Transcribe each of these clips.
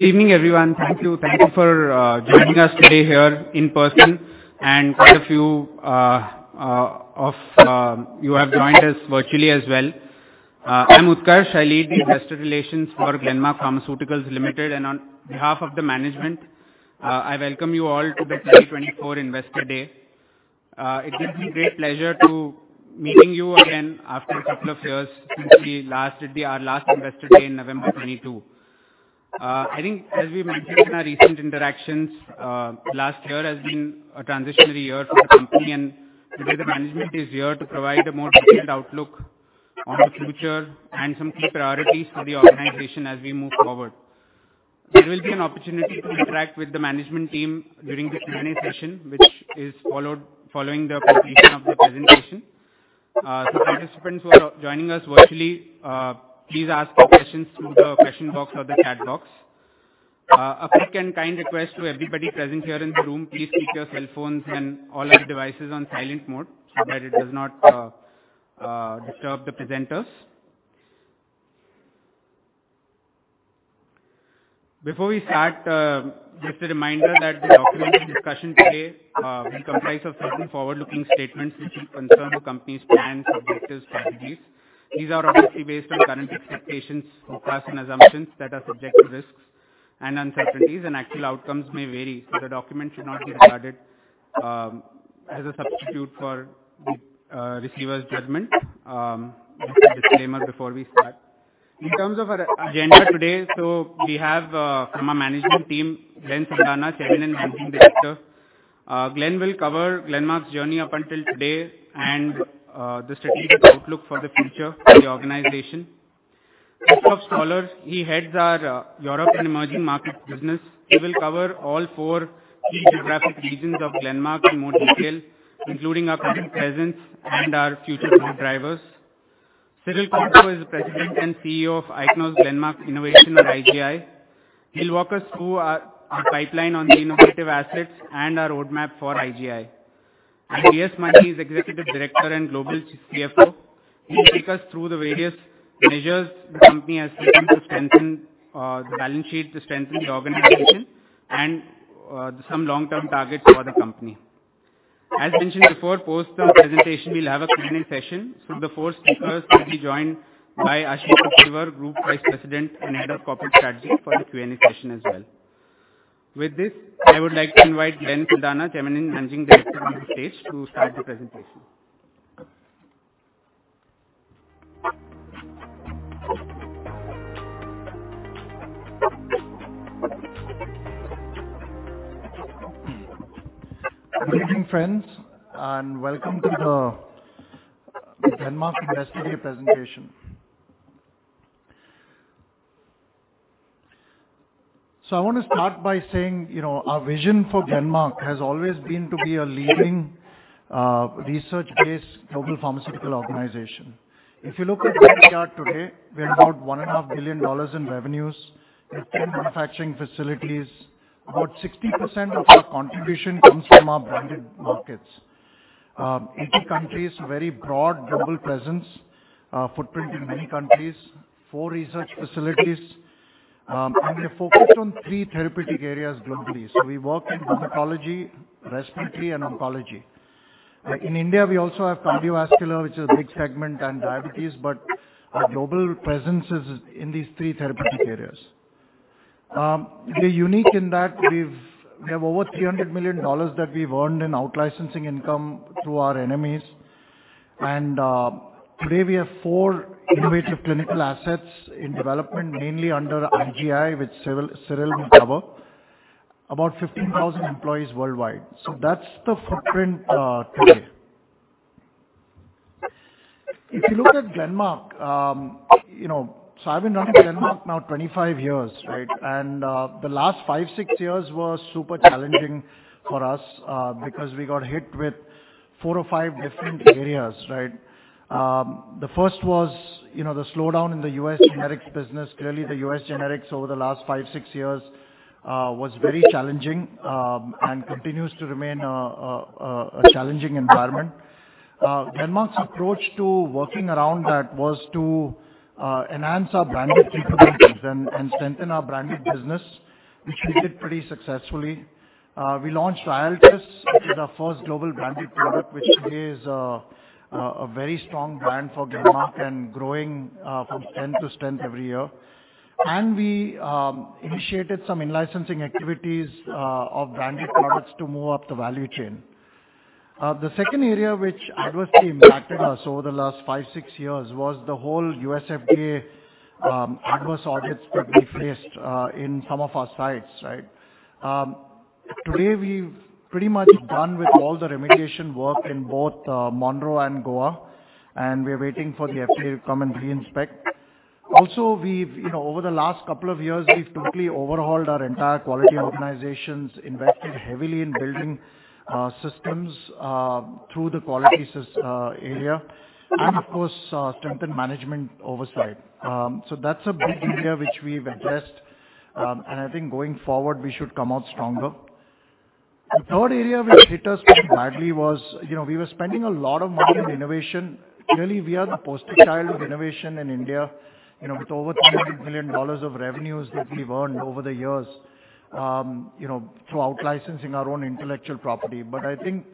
Evening, everyone. Thank you. Thank you for joining us today here in person, and quite a few of you have joined us virtually as well. I'm Utkarsh, I lead the investor relations for Glenmark Pharmaceuticals Limited, and on behalf of the management, I welcome you all to the 2024 Investor Day. It gives me great pleasure to meeting you again after a couple of years since we last it be our last Investor Day in November 2022. I think as we mentioned in our recent interactions, last year has been a transitionary year for the company, and today the management is here to provide a more detailed outlook on the future and some key priorities for the organization as we move forward. There will be an opportunity to interact with the management team during the Q&A session, which follows the completion of the presentation. So participants who are joining us virtually, please ask your questions through the question box or the chat box. A quick and kind request to everybody present here in the room, please keep your cellphones and all other devices on silent mode so that it does not disturb the presenters. Before we start, just a reminder that the document and discussion today will comprise of certain forward-looking statements which will concern the company's plans, objectives, strategies. These are obviously based on current expectations and past assumptions that are subject to risks and uncertainties, and actual outcomes may vary, so the document should not be regarded as a substitute for the receiver's judgment. Just a disclaimer before we start. In terms of our agenda today, so we have, from our management team, Glenn Saldanha, Chairman and Managing Director. Glenn will cover Glenmark's journey up until today and, the strategic outlook for the future for the organization. Christoph Stoller, he heads our, Europe and Emerging Markets business. He will cover all four key geographic regions of Glenmark in more detail, including our current presence and our future growth drivers. Cyril Konto is the President and CEO of Ichnos Glenmark Innovation or IGI. He'll walk us through our, our pipeline on the innovative assets and our roadmap for IGI. V.S. Mani is Executive Director and Global CFO. He'll take us through the various measures the company has taken to strengthen, the balance sheet, to strengthen the organization, and, some long-term targets for the company. As mentioned before, post the presentation, we'll have a Q&A session, so the four speakers will be joined by Ashish Mukkirwar, Group Vice President and Head of Corporate Strategy for the Q&A session as well. With this, I would like to invite Glenn Saldanha, Chairman and Managing Director to the stage, to start the presentation. Good evening, friends, and welcome to the Glenmark Investor Day presentation. I want to start by saying, you know, our vision for Glenmark has always been to be a leading research-based global pharmaceutical organization. If you look at Glenmark today, we're about $1.5 billion in revenues. We have 10 manufacturing facilities. About 60% of our contribution comes from our branded markets. Eighty countries, very broad global presence, footprint in many countries, 4 research facilities, and we are focused on 3 therapeutic areas globally. We work in dermatology, respiratory, and oncology. In India, we also have cardiovascular, which is a big segment, and diabetes, but our global presence is in these 3 therapeutic areas. We're unique in that we have over $300 million that we've earned in out-licensing income through our NMEs. Today we have four innovative clinical assets in development, mainly under IGI, which Cyril will cover. About 15,000 employees worldwide. So that's the footprint today. If you look at Glenmark, you know, so I've been running Glenmark now 25 years, right? And the last 5 years-6 years were super challenging for us because we got hit with 4 or 5 different areas, right? The first was, you know, the slowdown in the U.S. generics business. Clearly, the U.S. generics over the last 5-6 years was very challenging and continues to remain a challenging environment. Glenmark's approach to working around that was to enhance our branded capabilities and strengthen our branded business, which we did pretty successfully. We launched Ryaltris, which is our first global branded product, which today is a very strong brand for Glenmark and growing from strength to strength every year. We initiated some in-licensing activities of branded products to move up the value chain. The second area which adversely impacted us over the last five, six years was the whole U.S. FDA adverse audits that we faced in some of our sites, right? Today, we've pretty much done with all the remediation work in both Monroe and Goa, and we're waiting for the FDA to come and re-inspect. Also, we've, you know, over the last couple of years, we've totally overhauled our entire quality organizations, invested heavily in building systems through the quality system area, and of course, strengthened management oversight. So that's a big area which we've addressed, and I think going forward, we should come out stronger. The third area which hit us quite badly was, you know, we were spending a lot of money on innovation. Really, we are the poster child of innovation in India, you know, with over $30 billion of revenues that we've earned over the years, you know, through out licensing our own intellectual property. But I think,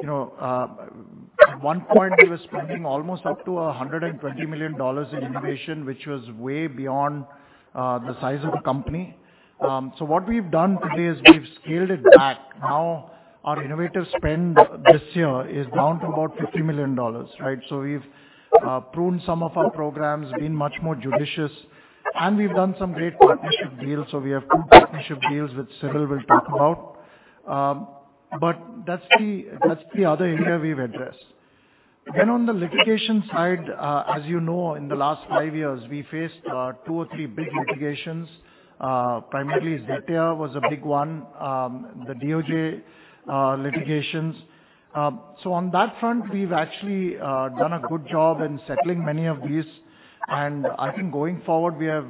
you know, at one point, we were spending almost up to $120 million in innovation, which was way beyond, the size of the company. So what we've done today is we've scaled it back. Now, our innovative spend this year is down to about $50 million, right? So we've pruned some of our programs, been much more judicious, and we've done some great partnership deals, so we have two partnership deals, which Cyril will talk about. But that's the other area we've addressed. Then on the litigation side, as you know, in the last five years, we faced two or three big litigations. Primarily, Zetia was a big one, the DOJ litigations. So on that front, we've actually done a good job in settling many of these, and I think going forward, we have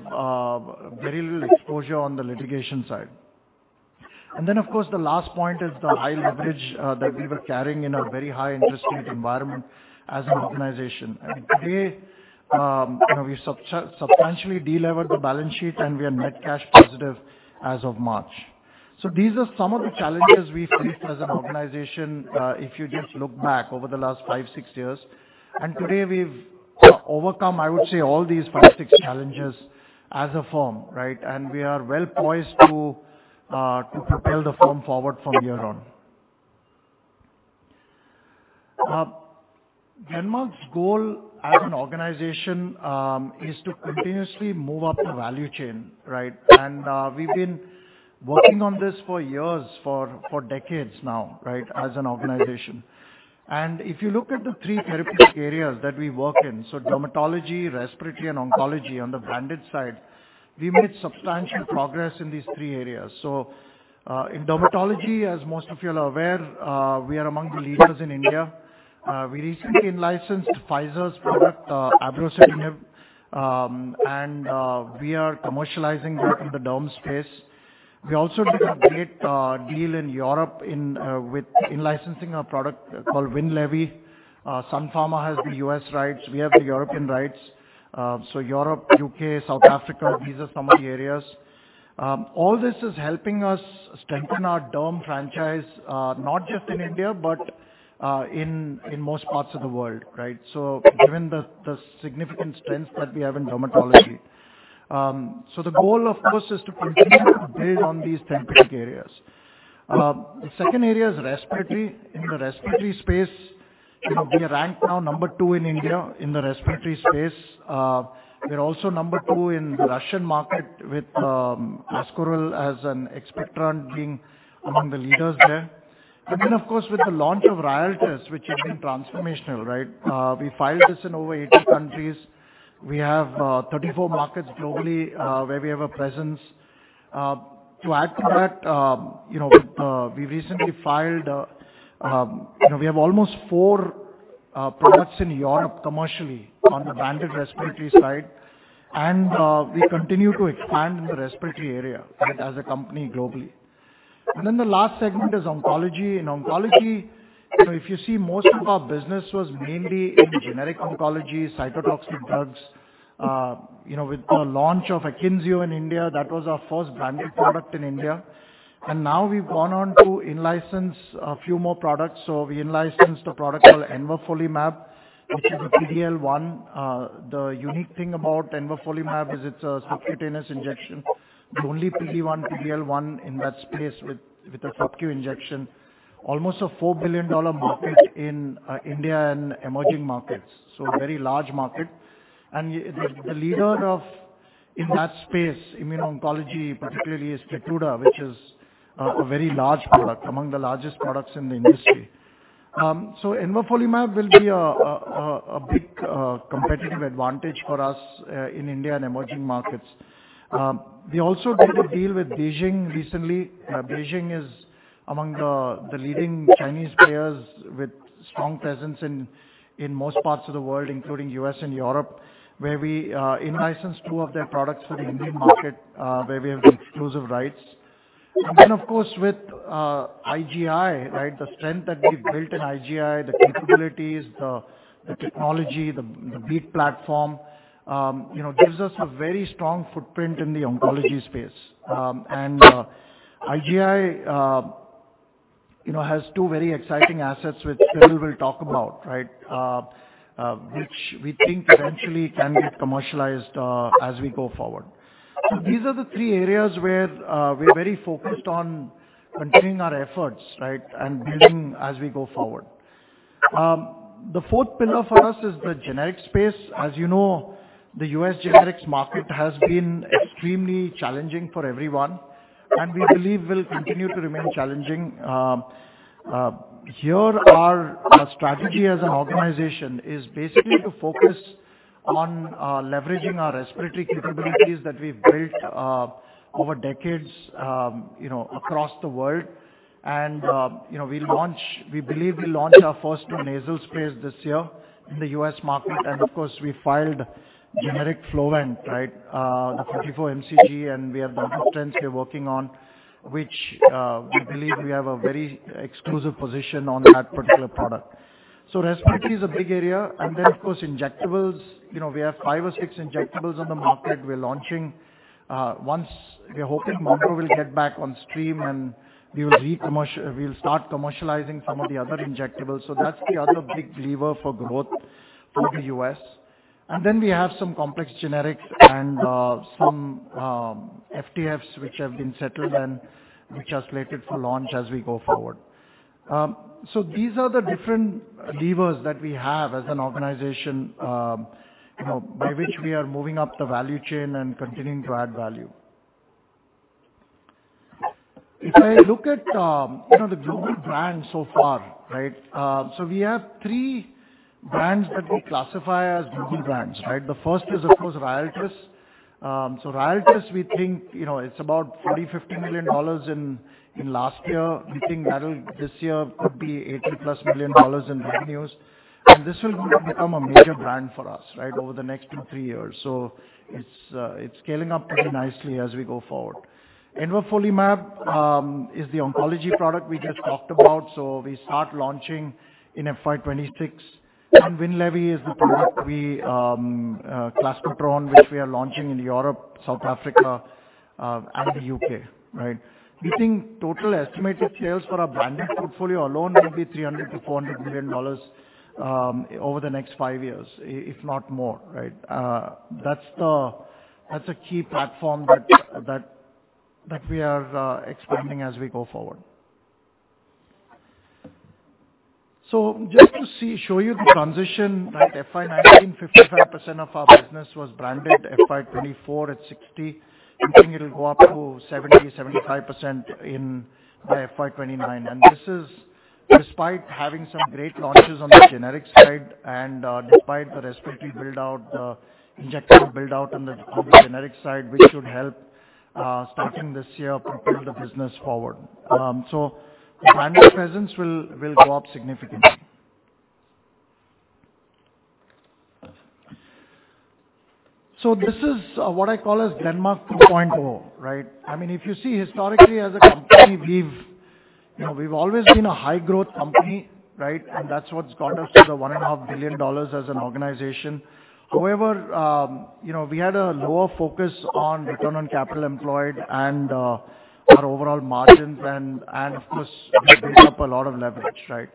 very little exposure on the litigation side. And then, of course, the last point is the high leverage that we were carrying in a very high interest rate environment as an organization. Today, you know, we substantially delevered the balance sheet, and we are net cash positive as of March. So these are some of the challenges we faced as an organization, if you just look back over the last five, six years. Today, we've overcome, I would say, all these five, six challenges as a firm, right? We are well poised to propel the firm forward from here on. Glenmark's goal as an organization is to continuously move up the value chain, right? We've been working on this for years, for decades now, right, as an organization. If you look at the three therapeutic areas that we work in, so dermatology, respiratory, and oncology on the branded side, we made substantial progress in these three areas. So, in dermatology, as most of you all are aware, we are among the leaders in India. We recently in-licensed Pfizer's product, abrocitinib, and we are commercializing that in the derm space. We also did a great deal in Europe with in-licensing a product called Winlevi. Sun Pharma has the U.S. rights, we have the European rights. So Europe, U.K., South Africa, these are some of the areas. All this is helping us strengthen our derm franchise, not just in India, but in most parts of the world, right? So given the significant strength that we have in dermatology. So the goal, of course, is to continue to build on these therapeutic areas. The second area is respiratory. In the respiratory space, you know, we are ranked now number 2 in India in the respiratory space. We're also number 2 in the Russian market with Ascoril as an expectorant being among the leaders there. And then, of course, with the launch of Ryaltris, which has been transformational, right? We filed this in over 80 countries. We have 34 markets globally where we have a presence. To add to that, you know, we recently filed... You know, we have almost 4 products in Europe commercially on the branded respiratory side, and we continue to expand in the respiratory area as a company globally. And then the last segment is oncology. In oncology, so if you see, most of our business was mainly in generic oncology, cytotoxic drugs. you know, with the launch of Akynzeo in India, that was our first branded product in India, and now we've gone on to in-license a few more products. So we in-licensed a product called envafolimab, which is a PD-L1. The unique thing about envafolimab is it's a subcutaneous injection, the only PD-1, PD-L1 in that space with a subcu injection. Almost a $4 billion market in India and emerging markets, so very large market. And the leader of, in that space, immuno-oncology, particularly, is Keytruda, which is a very large product, among the largest products in the industry. So envafolimab will be a big competitive advantage for us in India and emerging markets. We also did a deal with BeiGene recently. BeiGene is among the leading Chinese players with strong presence in most parts of the world, including U.S. and Europe, where we in-licensed two of their products for the Indian market, where we have the exclusive rights. And then, of course, with IGI, right? The strength that we've built in IGI, the capabilities, the technology, the BEAT platform, you know, gives us a very strong footprint in the oncology space. And IGI, you know, has two very exciting assets, which Cyril will talk about, right? Which we think potentially can get commercialized, as we go forward. So these are the three areas where we're very focused on continuing our efforts, right? And building as we go forward. The fourth pillar for us is the generic space. As you know, the U.S. generics market has been extremely challenging for everyone, and we believe will continue to remain challenging. Our strategy as an organization is basically to focus on leveraging our respiratory capabilities that we've built over decades, you know, across the world. You know, we'll launch. We believe we'll launch our first 2 nasal sprays this year in the U.S. market, and of course, we filed generic Flovent, right? The 54 mcg, and we have the other strengths we're working on, which we believe we have a very exclusive position on that particular product. So respiratory is a big area, and then, of course, injectables, you know, we have 5 or 6 injectables on the market we're launching. Once we're hoping Monroe will get back on stream and we'll start commercializing some of the other injectables. So that's the other big lever for growth for the U.S.. And then we have some complex generics and some FTFs, which have been settled and which are slated for launch as we go forward. So these are the different levers that we have as an organization, you know, by which we are moving up the value chain and continuing to add value. If I look at, you know, the global brands so far, right? So we have three brands that we classify as global brands, right? The first is, of course, Ryaltris. So Ryaltris, we think, you know, it's about $40 million-$50 million in last year. We think that'll... This year could be $80+ million in revenues, and this will become a major brand for us, right, over the next two, three years. It's scaling up pretty nicely as we go forward. envafolimab is the oncology product we just talked about, so we start launching in FY 2026. And Winlevi is the product we, clascoterone, which we are launching in Europe, South Africa, and the U.K., right? We think total estimated sales for our branded portfolio alone will be $300 million-$400 million over the next five years, if not more, right? That's a key platform that we are expanding as we go forward. So just to show you the transition, right, FY 2019, 55% of our business was branded, FY 2024 at 60%. We think it'll go up to 70%-75% in the FY 2029. This is despite having some great launches on the generic side and despite the respiratory build-out, the injectable build-out on the generic side, which should help starting this year, to build the business forward. So the branded presence will go up significantly. So this is what I call as Glenmark 3.0, right? I mean, if you see historically as a company, we've, you know, we've always been a high-growth company, right? And that's what's got us to the $1.5 billion as an organization. However, you know, we had a lower focus on return on capital employed and our overall margins, and of course, we build up a lot of leverage, right?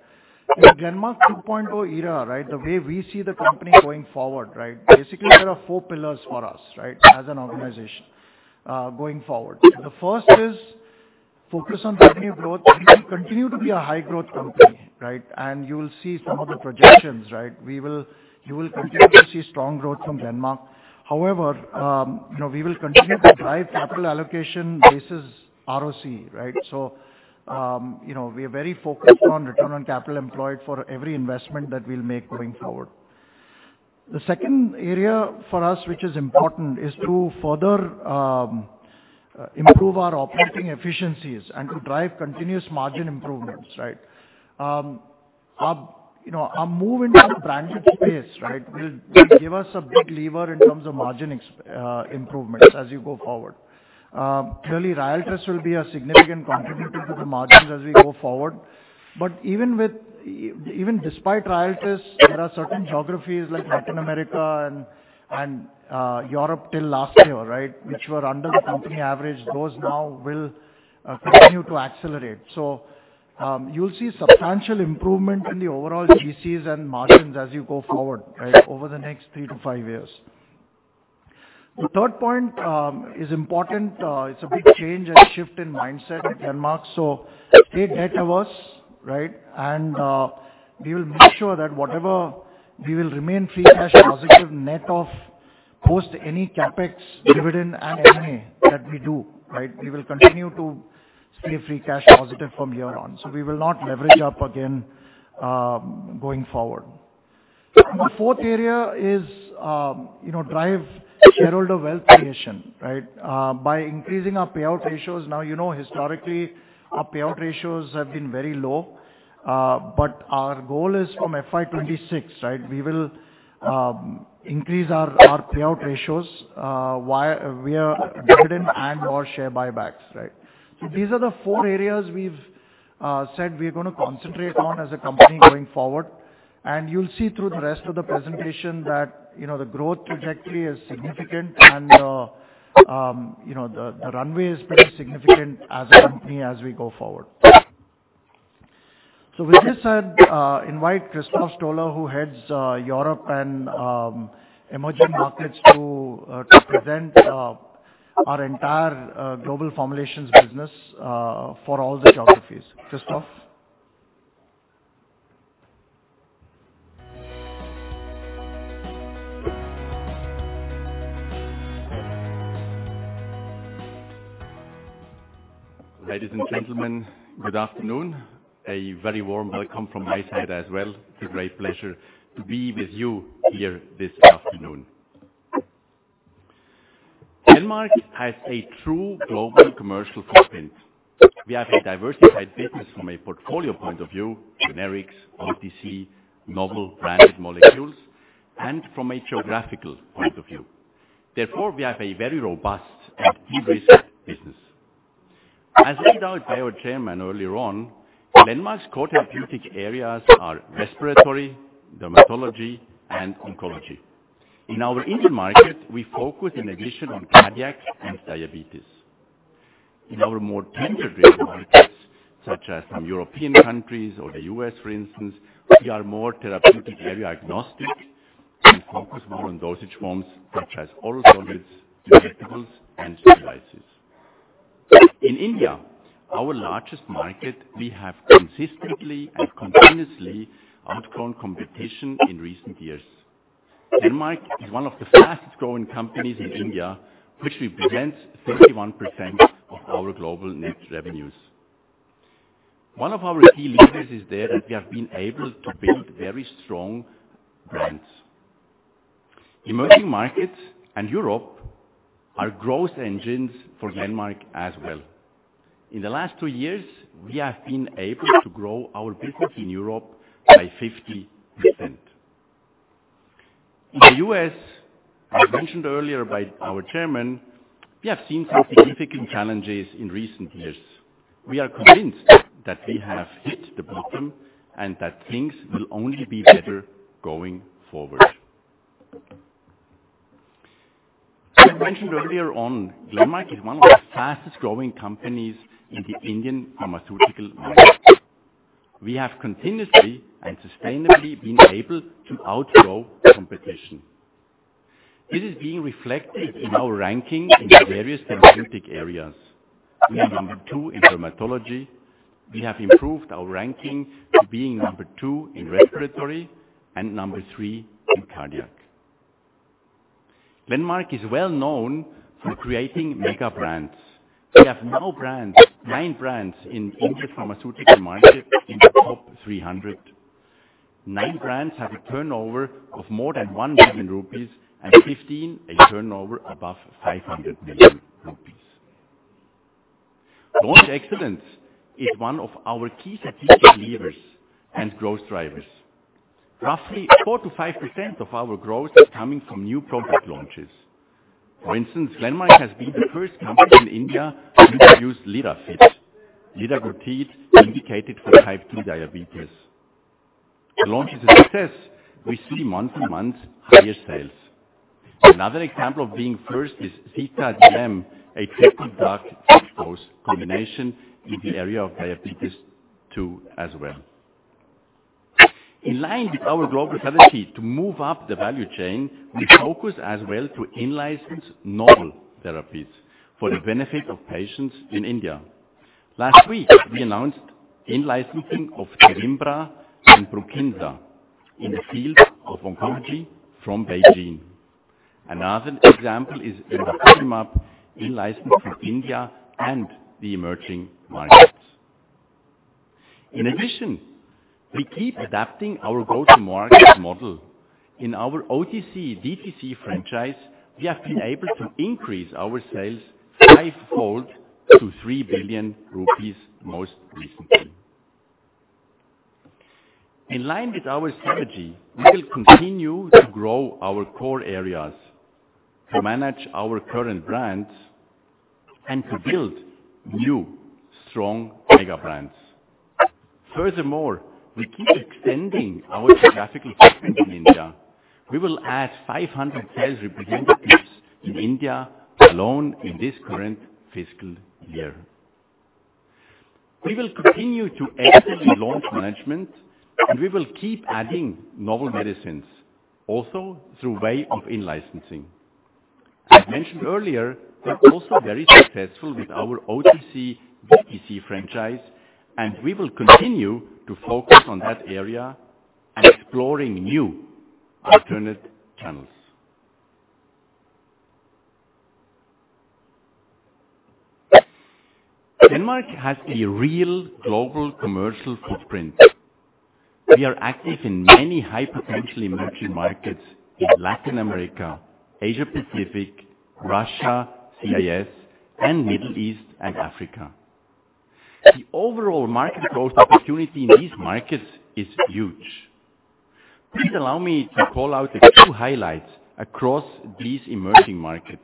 In Glenmark 3.0 era, right, the way we see the company going forward, right, basically, there are four pillars for us, right, as an organization, going forward. The first is focus on revenue growth. We will continue to be a high-growth company, right? And you will see some of the projections, right? You will continue to see strong growth from Glenmark. However, you know, we will continue to drive capital allocation basis ROCE, right? So, you know, we are very focused on return on capital employed for every investment that we'll make going forward. The second area for us, which is important, is to further improve our operating efficiencies and to drive continuous margin improvements, right? Our, you know, our move into the branded space, right, will give us a big lever in terms of margin expansion improvements as you go forward. Clearly, Ryaltris will be a significant contributor to the margins as we go forward, but even despite Ryaltris, there are certain geographies like Latin America and Europe till last year, right, which were under the company average. Those now will continue to accelerate. So, you'll see substantial improvement in the overall GCs and margins as you go forward, right, over the next three to five years. The third point is important. It's a big change and shift in mindset of management. So stay debt-averse, right, and we will make sure that we will remain free cash positive, net of any CapEx, dividend, and M&A that we do, right? We will continue to stay free cash positive from here on, so we will not leverage up again, going forward. The fourth area is, you know, drive shareholder wealth creation, right? By increasing our payout ratios. Now, you know, historically, our payout ratios have been very low, but our goal is from FY 2026, right? We will increase our payout ratios via dividend and/or share buybacks, right? So these are the four areas we've said we're gonna concentrate on as a company going forward. And you'll see through the rest of the presentation that, you know, the growth trajectory is significant, and, you know, the runway is pretty significant as a company as we go forward. So with this said, invite Christoph Stoller, who heads Europe and emerging markets to to present our entire global formulations business for all the geographies. Christoph? Ladies and gentlemen, good afternoon. A very warm welcome from my side as well. It's a great pleasure to be with you here this afternoon. Glenmark has a true global commercial footprint. We have a diversified business from a portfolio point of view, generics, OTC, novel branded molecules, and from a geographical point of view. Therefore, we have a very robust and diverse business. As laid out by our chairman earlier on, Glenmark's core therapeutic areas are respiratory, dermatology, and oncology. In our Indian market, we focus in addition on cardiac and diabetes. In our more mature markets, such as some European countries or the U.S., for instance, we are more therapeutic area agnostic, and focus more on dosage forms such as oral solids, injectables, and devices. In India, our largest market, we have consistently and continuously outgrown competition in recent years. Glenmark is one of the fastest growing companies in India, which represents 31% of our global net revenues. One of our key leaders is there, and we have been able to build very strong brands. Emerging markets and Europe are growth engines for Glenmark as well. In the last 2 years, we have been able to grow our business in Europe by 50%. In the U.S., as mentioned earlier by our chairman, we have seen some significant challenges in recent years. We are convinced that we have hit the bottom and that things will only be better going forward. As mentioned earlier on, Glenmark is one of the fastest growing companies in the Indian pharmaceutical market. We have continuously and sustainably been able to outgrow competition. This is being reflected in our ranking in the various therapeutic areas. We are number 2 in dermatology. We have improved our ranking to being number 2 in respiratory and number 3 in cardiac. Glenmark is well known for creating mega brands. We have now brands, 9 brands in Indian pharmaceutical market in the top 300. 9 brands have a turnover of more than 1 million rupees, and 15, a turnover above 500 million rupees. Launch excellence is one of our key strategic levers and growth drivers. Roughly 4%-5% of our growth is coming from new product launches. For instance, Glenmark has been the first company in India to introduce Lirafit. Lirafit is indicated for type 2 diabetes. The launch is a success. We see month-to-month higher sales. Another example of being first is Zita-DM, a therapy drug dose combination in the area of diabetes 2 as well. In line with our global strategy to move up the value chain, we focus as well to in-license novel therapies for the benefit of patients in India. Last week, we announced in-licensing of Tevimbra and Brukinsa in the field of oncology from BeiGene. Another example is imatinib, in-licensed in India and the emerging markets. In addition, we keep adapting our go-to-market model. In our OTC DTC franchise, we have been able to increase our sales fivefold to 3 billion rupees most recently. In line with our strategy, we will continue to grow our core areas, to manage our current brands, and to build new strong mega brands. Furthermore, we keep extending our geographical presence in India. We will add 500 sales representatives in India alone in this current fiscal year. We will continue to actively launch management, and we will keep adding novel medicines, also through way of in-licensing. As mentioned earlier, we're also very successful with our OTC DTC franchise, and we will continue to focus on that area and exploring new alternate channels. Glenmark has a real global commercial footprint. We are active in many high potential emerging markets in Latin America, Asia-Pacific, Russia, CIS, and Middle East and Africa. The overall market growth opportunity in these markets is huge. Please allow me to call out a few highlights across these emerging markets.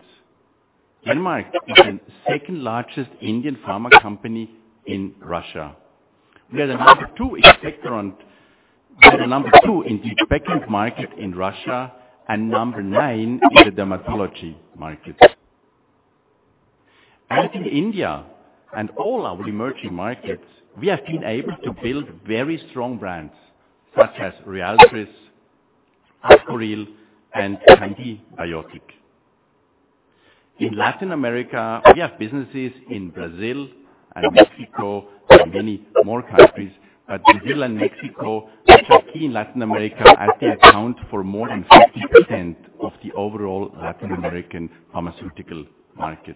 Glenmark is the second-largest Indian pharma company in Russia. We are the number 2 in the expectorant market in Russia and number 9 in the dermatology market. As in India and all our emerging markets, we have been able to build very strong brands, such as Ryaltris, Ascoril, and Candibiotic. In Latin America, we have businesses in Brazil and Mexico and many more countries. But Brazil and Mexico, which are key in Latin America, actually account for more than 50% of the overall Latin American pharmaceutical market.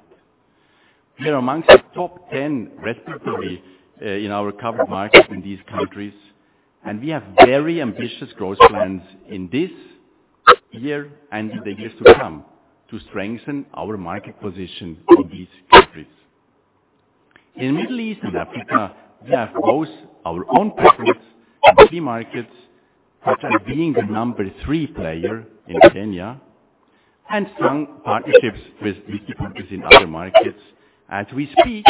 We are among the top 10 respectively in our covered markets in these countries, and we have very ambitious growth plans in this year and the years to come to strengthen our market position in these countries. In Middle East and Africa, we have both our own presence in key markets, such as being the number three player in Kenya... and strong partnerships with key partners in other markets. As we speak,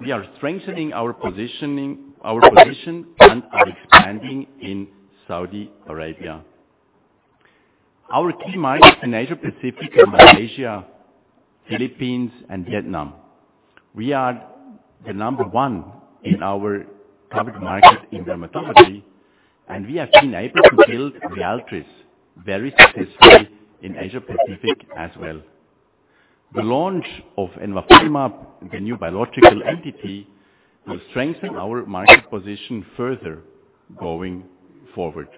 we are strengthening our positioning, our position, and are expanding in Saudi Arabia. Our key markets in Asia Pacific are Malaysia, Philippines, and Vietnam. We are the number one in our target market in dermatology, and we have been able to build Ryaltris very successfully in Asia Pacific as well. The launch of envafolimab, the new biological entity, will strengthen our market position further going forward.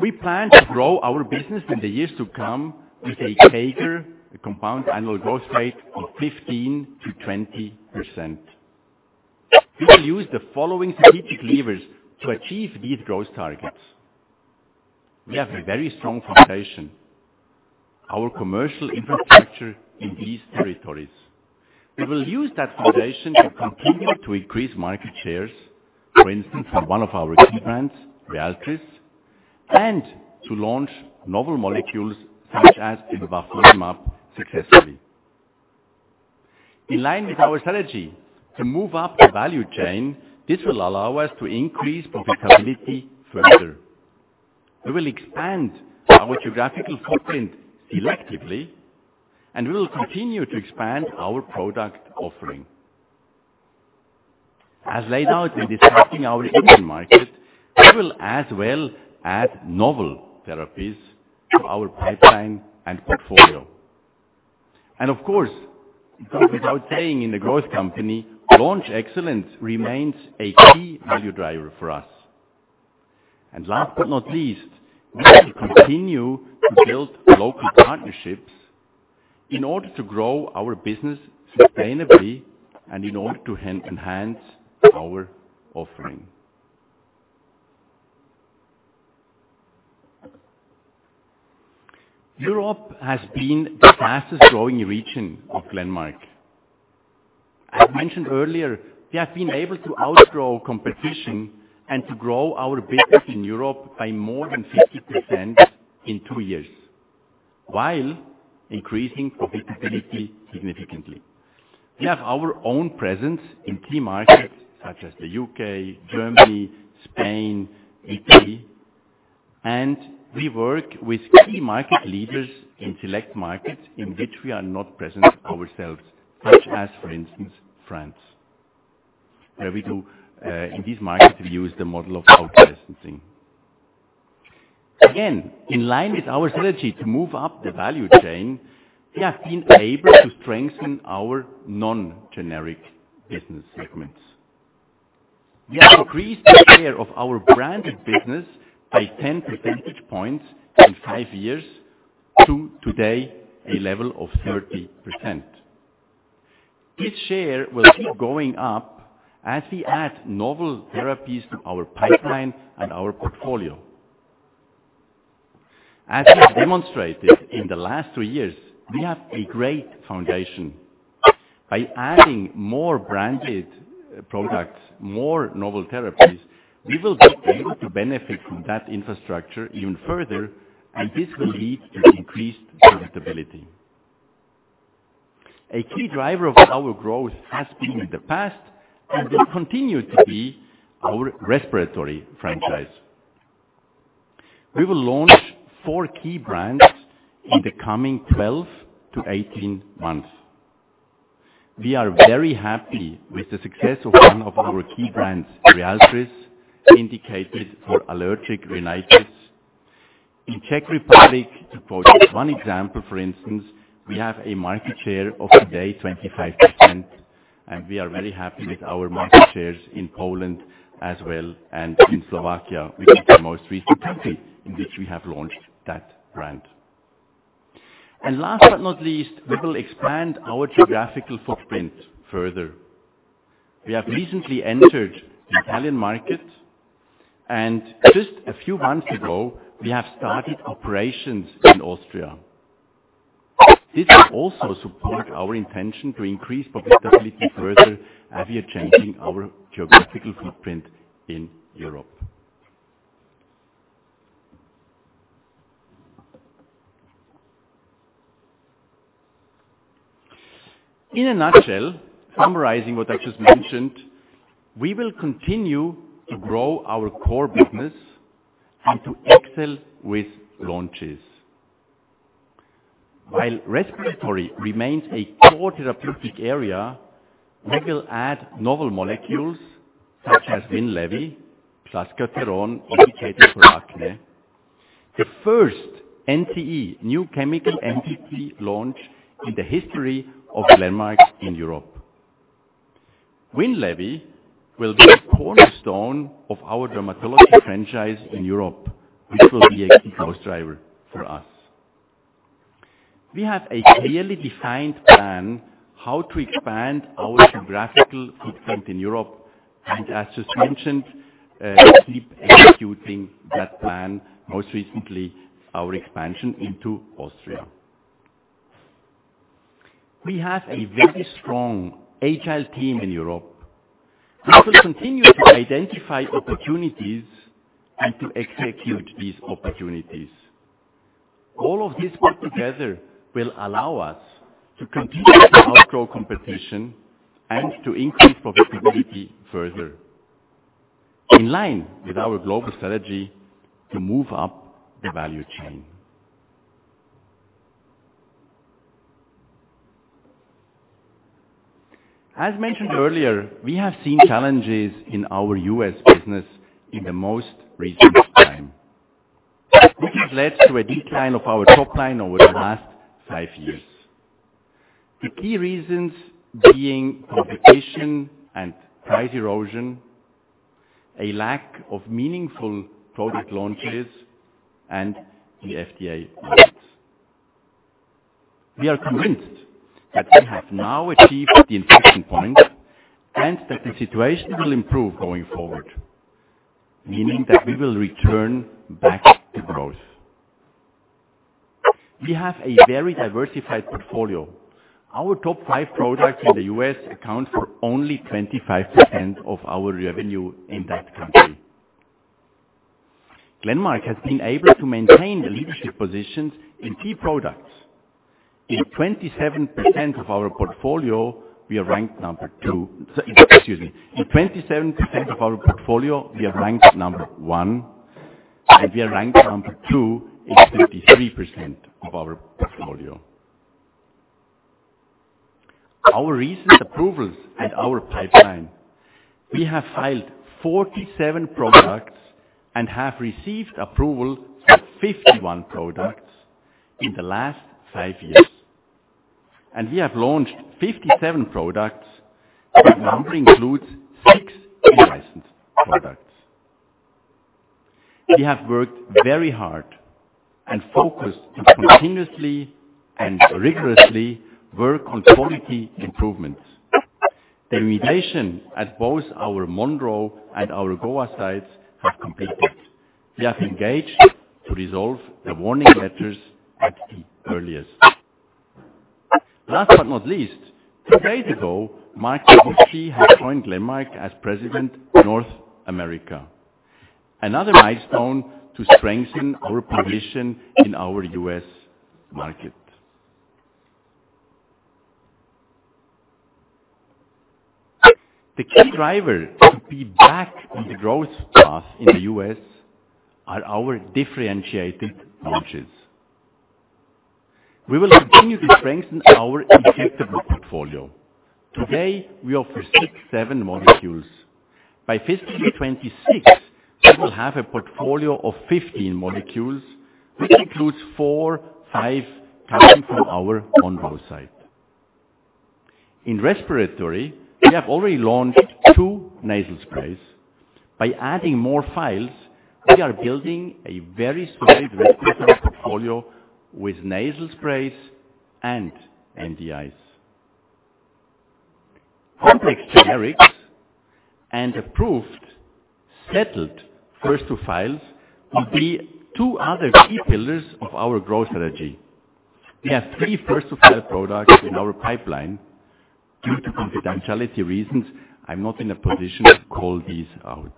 We plan to grow our business in the years to come with a CAGR, a compound annual growth rate, of 15%-20%. We will use the following strategic levers to achieve these growth targets. We have a very strong foundation, our commercial infrastructure in these territories. We will use that foundation to continue to increase market shares, for instance, from one of our key brands, Ryaltris, and to launch novel molecules such as envafolimab successfully. In line with our strategy to move up the value chain, this will allow us to increase profitability further. We will expand our geographical footprint selectively, and we will continue to expand our product offering. As laid out in discussing our Asian market, we will as well add novel therapies to our pipeline and portfolio. Of course, without saying, in the growth company, launch excellence remains a key value driver for us. And last but not least, we will continue to build local partnerships in order to grow our business sustainably and in order to enhance our offering. Europe has been the fastest growing region of Glenmark. As mentioned earlier, we have been able to outgrow competition and to grow our business in Europe by more than 50% in two years, while increasing profitability significantly. We have our own presence in key markets such as the U.K., Germany, Spain, Italy, and we work with key market leaders in select markets in which we are not present ourselves, such as, for instance, France, where we do, in these markets, we use the model of out-licensing. Again, in line with our strategy to move up the value chain, we have been able to strengthen our non-generic business segments. We have increased the share of our branded business by 10 percentage points in five years to today, a level of 30%. This share will keep going up as we add novel therapies to our pipeline and our portfolio. As we've demonstrated in the last three years, we have a great foundation. By adding more branded products, more novel therapies, we will be able to benefit from that infrastructure even further, and this will lead to increased profitability. A key driver of our growth has been in the past, and will continue to be our respiratory franchise. We will launch four key brands in the coming 12 months-18 months. We are very happy with the success of one of our key brands, Ryaltris, indicated for allergic rhinitis. In Czech Republic, to quote one example, for instance, we have a market share of today, 25%, and we are very happy with our market shares in Poland as well, and in Slovakia, which is the most recent country in which we have launched that brand. And last but not least, we will expand our geographical footprint further. We have recently entered the Italian market, and just a few months ago, we have started operations in Austria. This will also support our intention to increase profitability further as we are changing our geographical footprint in Europe. In a nutshell, summarizing what I just mentioned, we will continue to grow our core business and to excel with launches. While respiratory remains a core therapeutic area, we will add novel molecules such as Winlevi, plus clascoterone, indicated for acne. The first NCE, new chemical entity, launch in the history of Glenmark in Europe. Winlevi will be a cornerstone of our dermatology franchise in Europe, which will be a key growth driver for us. We have a clearly defined plan how to expand our geographical footprint in Europe, and as just mentioned, we keep executing that plan, most recently, our expansion into Austria. We have a very strong agile team in Europe. We will continue to identify opportunities and to execute these opportunities. All of this work together will allow us to continue to outgrow competition and to increase profitability further, in line with our global strategy to move up the value chain. As mentioned earlier, we have seen challenges in our U.S. business in the most recent time. This has led to a decline of our top line over the last 5 years. The key reasons being competition and price erosion, a lack of meaningful product launches, and the FDA audits. We are convinced that we have now achieved the inflection point, and that the situation will improve going forward, meaning that we will return back to growth. We have a very diversified portfolio. Our top 5 products in the U.S. account for only 25% of our revenue in that country. Glenmark has been able to maintain the leadership positions in key products. In 27% of our portfolio, we are ranked number two. Excuse me. In 27% of our portfolio, we are ranked number one, and we are ranked number two in 53% of our portfolio. Our recent approvals and our pipeline, we have filed 47 products and have received approval for 51 products in the last 5 years, and we have launched 57 products, and this number includes 6 licensed products. We have worked very hard and focused to continuously and rigorously work on quality improvements. The remediation at both our Monroe and our Goa sites have completed. We have engaged to resolve the warning letters at the earliest. Last but not least, 2 days ago, Mike Kubicki has joined Glenmark as President, North America. Another milestone to strengthen our position in our U.S. market. The key driver to be back on the growth path in the U.S. are our differentiated launches. We will continue to strengthen our injectable portfolio. Today, we offer 6, 7 molecules. By 2026, we will have a portfolio of 15 molecules, which includes 4-5 coming from our Monroe site. In respiratory, we have already launched 2 nasal sprays. By adding more files, we are building a very solid respiratory portfolio with nasal sprays and MDIs. Complex generics and approved, settled, first-to-file, will be two other key pillars of our growth strategy. We have 3 first-to-file products in our pipeline. Due to confidentiality reasons, I'm not in a position to call these out.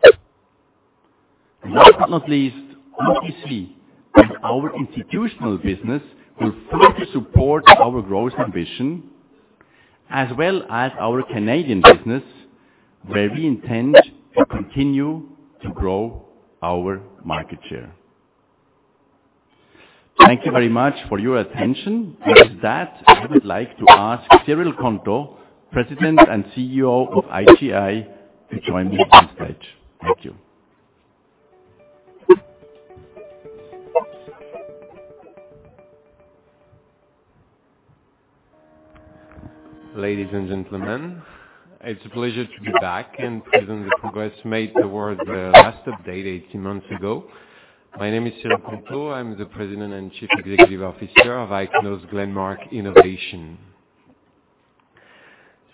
Last but not least, IGI and our institutional business will further support our growth ambition, as well as our Canadian business, where we intend to continue to grow our market share. Thank you very much for your attention. With that, I would like to ask Cyril Konto, President and CEO of IGI, to join me on stage. Thank you. Ladies and gentlemen, it's a pleasure to be back and present the progress made towards the last update 18 months ago. My name is Cyril Konto. I'm the President and Chief Executive Officer of Ichnos Glenmark Innovation.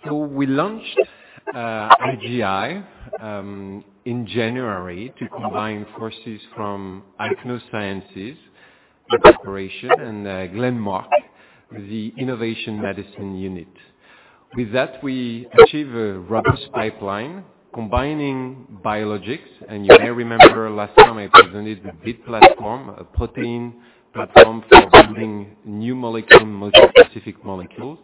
So we launched IGI in January to combine forces from Ichnos Sciences, the operation, and Glenmark, the innovation medicine unit. With that, we achieve a robust pipeline, combining biologics, and you may remember last time I presented the BEAT platform, a protein platform for building new molecule, multi-specific molecules.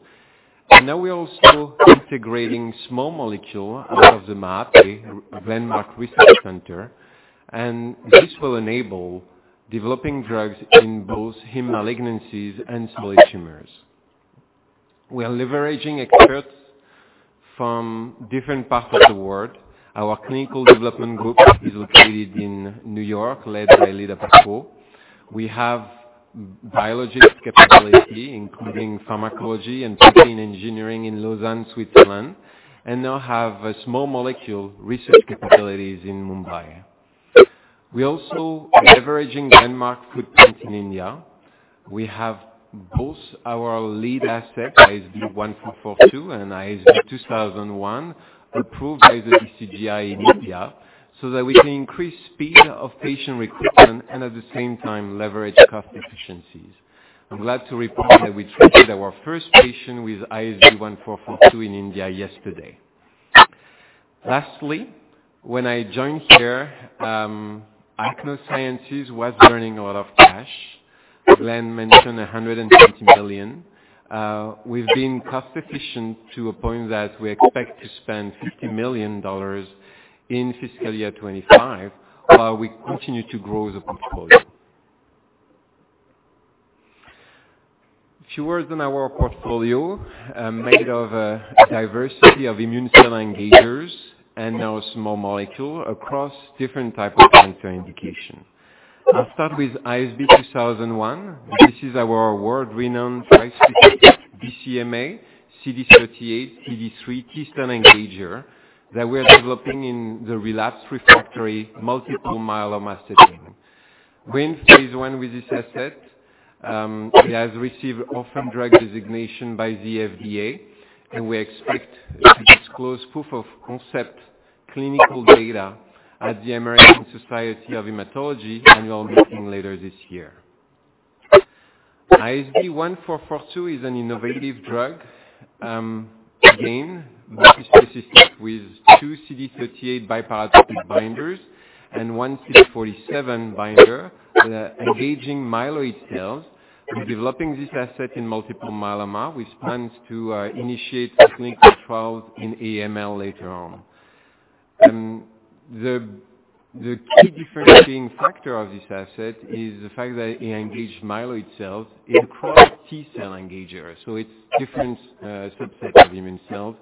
And now we are also integrating small molecule out of the MAP, a Glenmark research center, and this will enable developing drugs in both heme malignancies and solid tumors. We are leveraging experts from different parts of the world. Our clinical development group is located in New York, led by Lida Paca. We have biologics capability, including pharmacology and protein engineering in Lausanne, Switzerland, and now have a small molecule research capabilities in Mumbai. We're also leveraging Glenmark footprint in India. We have both our lead assets, ISB 1442 and ISB 2001, approved by the DCGI in India, so that we can increase speed of patient recruitment and at the same time leverage cost efficiencies. I'm glad to report that we treated our first patient with ISB 1442 in India yesterday. Lastly, when I joined here, Ichnos Sciences was burning a lot of cash. Glenn mentioned $120 million. We've been cost efficient to a point that we expect to spend $50 million in fiscal year 2025, we continue to grow the portfolio. A few words on our portfolio, made of a diversity of immune cell engagers and now small molecule across different type of cancer indication. I'll start with ISB 2001. This is our world-renowned bispecific BCMA, CD38, CD3 T-cell engager, that we are developing in the relapsed refractory multiple myeloma setting. We're in phase I with this asset. It has received orphan drug designation by the FDA, and we expect to disclose proof of concept clinical data at the American Society of Hematology and Oncology later this year. ISB-1442 is an innovative drug, again, bispecific with two CD38 biparatopic binders and one CD47 binder, engaging myeloid cells. We're developing this asset in multiple myeloma, with plans to initiate clinical trials in AML later on. The key differentiating factor of this asset is the fact that it engages myeloid cells in cross T-cell engager. So it's different subset of immune cells,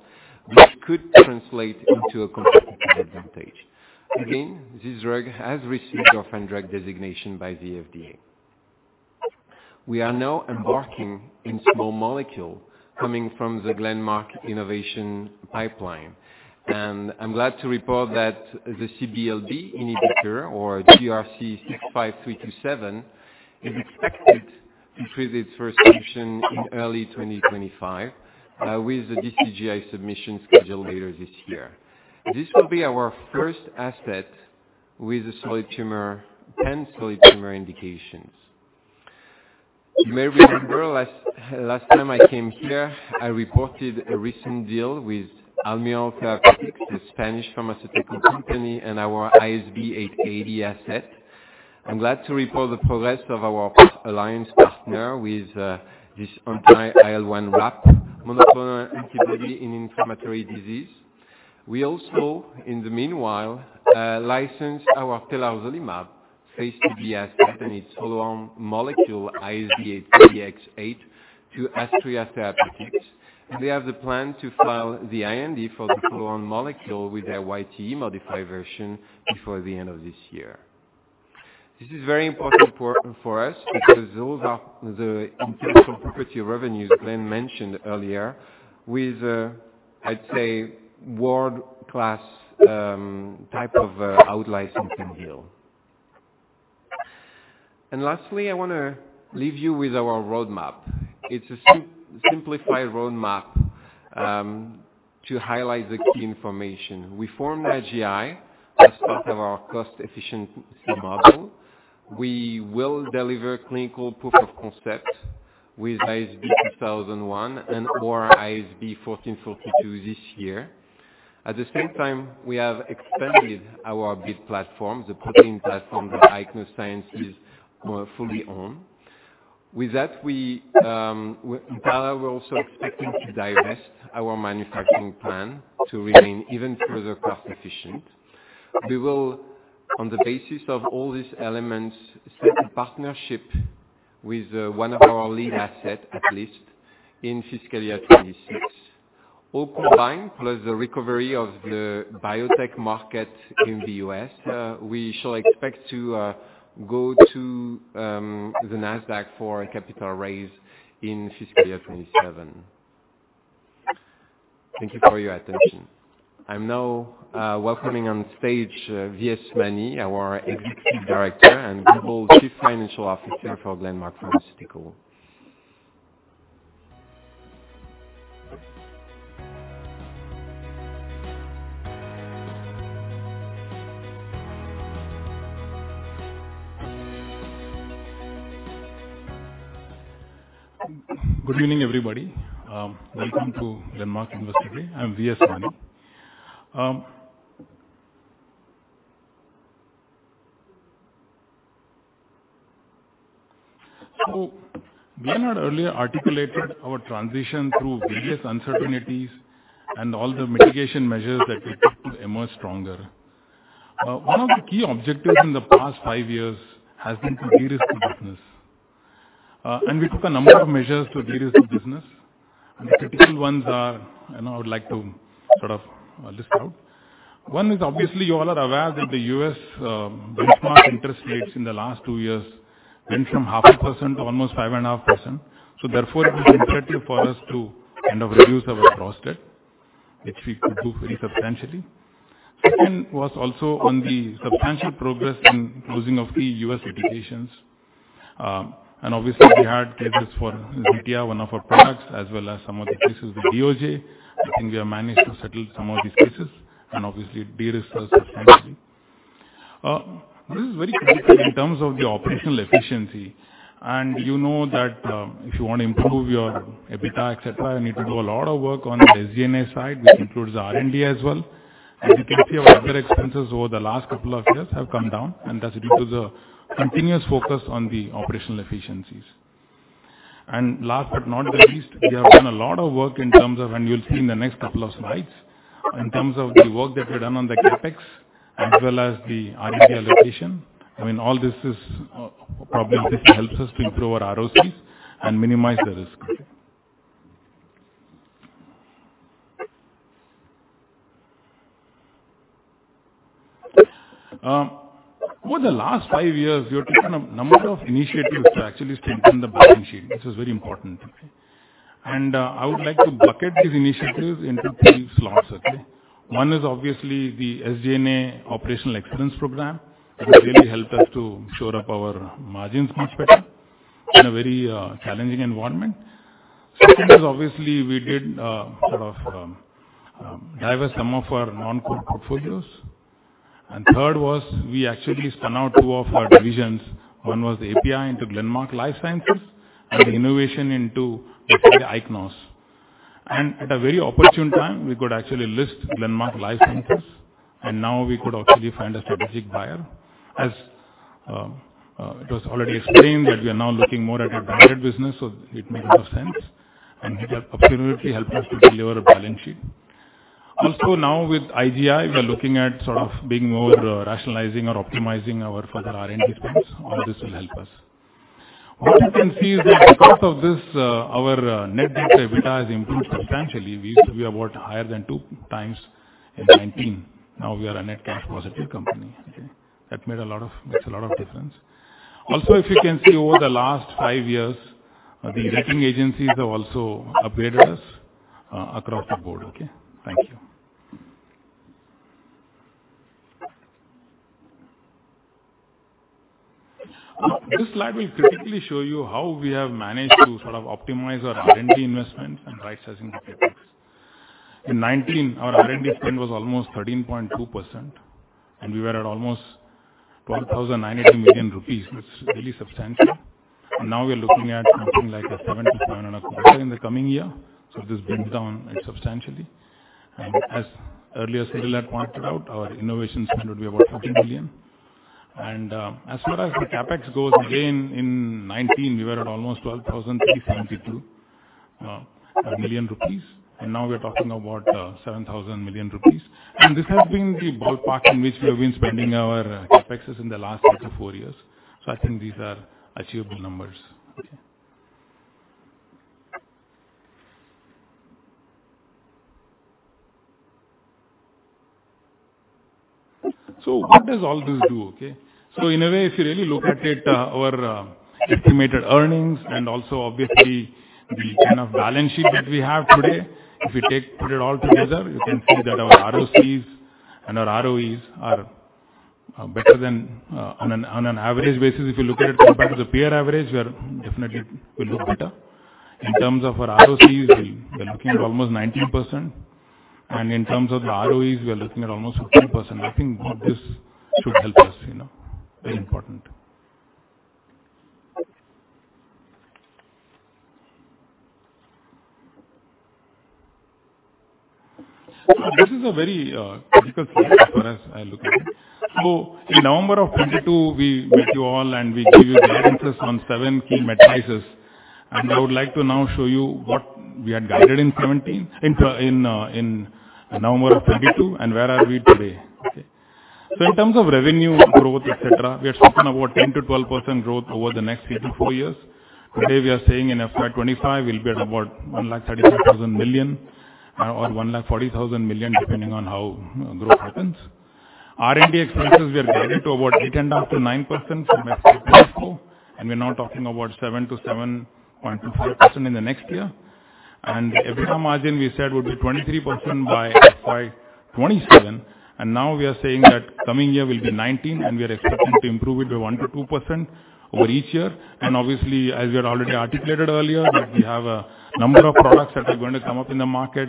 which could translate into a competitive advantage. Again, this drug has received orphan drug designation by the FDA. We are now embarking in small molecule coming from the Glenmark innovation pipeline, and I'm glad to report that the CBL-B inhibitor or GRC 65327, is expected to receive its first submission in early 2025, with the DCGI submission scheduled later this year. This will be our first asset with a solid tumor and solid tumor indications. You may remember last, last time I came here, I reported a recent deal with Almirall, the Spanish pharmaceutical company, and our ISB 880 asset. I'm glad to report the progress of our alliance partner with, this anti-IL-1RAP monoclonal antibody in inflammatory disease. We also, in the meanwhile, licensed our telarzolimab phase IIb asset and its follow-on molecule, ISB 830-X8, to Astria Therapeutics. They have the plan to file the IND for the follow-on molecule with their YTE modified version before the end of this year. This is very important for, for us, because those are the intellectual property revenues Glenn mentioned earlier with, I'd say, world-class, type of, outlicensing deal. Lastly, I wanna leave you with our roadmap. It's a simplified roadmap, to highlight the key information. We formed IGI as part of our cost efficiency model. We will deliver clinical proof of concept with ISB-2001 and/or ISB-1442 this year. At the same time, we have expanded our BEAT platform, the protein platform that Ichnos Sciences fully own. With that, we are also expecting to divest our manufacturing plant to remain even further cost efficient. We will, on the basis of all these elements, set a partnership with one of our lead asset, at least in fiscal year 2026. All combined, plus the recovery of the biotech market in the U.S., we shall expect to go to the Nasdaq for a capital raise in fiscal year 2027. Thank you for your attention. I'm now welcoming on stage V.S. Mani, our Executive Director and Global Chief Financial Officer for Glenmark Pharmaceuticals. Good evening, everybody. Welcome to Glenmark University. I'm V.S. Mani. So Glenn had earlier articulated our transition through various uncertainties and all the mitigation measures that we took to emerge stronger. One of the key objectives in the past 5 years has been to de-risk the business. And we took a number of measures to de-risk the business, and the critical ones are, and I would like to sort of list out. One is obviously, you all are aware that the U.S., benchmark interest rates in the last 2 years went from 0.5% to almost 5.5%. So therefore, it was imperative for us to kind of reduce our gross debt, which we could do very substantially. Second, was also on the substantial progress in closing of key U.S. litigations. And obviously, we had cases for Zytiga, one of our products, as well as some other cases with DOJ. I think we have managed to settle some of these cases and obviously de-risk ourselves substantially. This is very critical in terms of the operational efficiency, and you know that, if you want to improve your EBITDA, et cetera, you need to do a lot of work on your SG&A side, which includes R&D as well. And you can see our other expenses over the last couple of years have come down, and that's due to the continuous focus on the operational efficiencies. And last but not the least, we have done a lot of work in terms of... And you'll see in the next couple of slides, in terms of the work that we've done on the CapEx as well as the R&D allocation. I mean, all this is probably this helps us to improve our ROCs and minimize the risk. Over the last five years, we have taken a number of initiatives to actually strengthen the balance sheet, which is very important. I would like to bucket these initiatives into three slots, okay? One is obviously the SG&A operational excellence program that has really helped us to shore up our margins much better in a very challenging environment. Second is obviously we did sort of divest some of our non-core portfolios. And third was we actually spun out two of our divisions. One was API into Glenmark Life Sciences and Innovation into Ichnos. And at a very opportune time, we could actually list Glenmark Life Sciences, and now we could actually find a strategic buyer. As it was already explained that we are now looking more at a direct business, so it makes more sense and it has absolutely helped us to deliver a balance sheet. Also, now with IGI, we are looking at sort of being more rationalizing or optimizing our further R&D expense. All this will help us. What you can see is that because of this, our net debt to EBITDA has improved substantially. We used to be about higher than two times in 2019, now we are a net cash positive company, okay? That made a lot of, makes a lot of difference. Also, if you can see over the last five years, the rating agencies have also upgraded us across the board, okay? Thank you. This slide will critically show you how we have managed to sort of optimize our R&D investment and right-sizing the CapEx. In 2019, our R&D spend was almost 13.2%, and we were at almost 12,900 million rupees. That's really substantial. And now we are looking at something like a 7%-7.25% in the coming year. So this brings down substantially. And as earlier Cyril had pointed out, our innovation spend would be about 15 billion. And, as far as the CapEx goes, again, in 2019, we were at almost 12,372 million rupees, and now we're talking about, seven thousand million rupees. And this has been the ballpark in which we have been spending our CapEx in the last three to four years. So I think these are achievable numbers, okay? So what does all this do, okay? So in a way, if you really look at it, our estimated earnings and also obviously the kind of balance sheet that we have today, if you put it all together, you can see that our ROCEs and our ROEs are better than on an average basis. If you look at it compared to the peer average, we are definitely will look better. In terms of our ROCEs, we're looking at almost 19%, and in terms of the ROEs, we are looking at almost 15%. I think this should help us, you know, very important. This is a very critical slide as far as I look at it. So in November of 2022, we met you all, and we gave you guidance on seven key metrics. And I would like to now show you what we had guided in November of 2022, and where are we today, okay? So in terms of revenue growth, et cetera, we are talking about 10%-12% growth over the next 3-4 years. Today, we are saying in FY 2025, we'll be at about 135 billion or 140 billion, depending on how growth happens. R&D expenses, we are guided to about 8%-9% from 2018-2024, and we're now talking about 7%-7.5% in the next year. EBITDA margin, we said, would be 23% by FY 2027, and now we are saying that coming year will be 19%, and we are expecting to improve it by 1%-2% over each year. Obviously, as we had already articulated earlier, that we have a number of products that are going to come up in the market.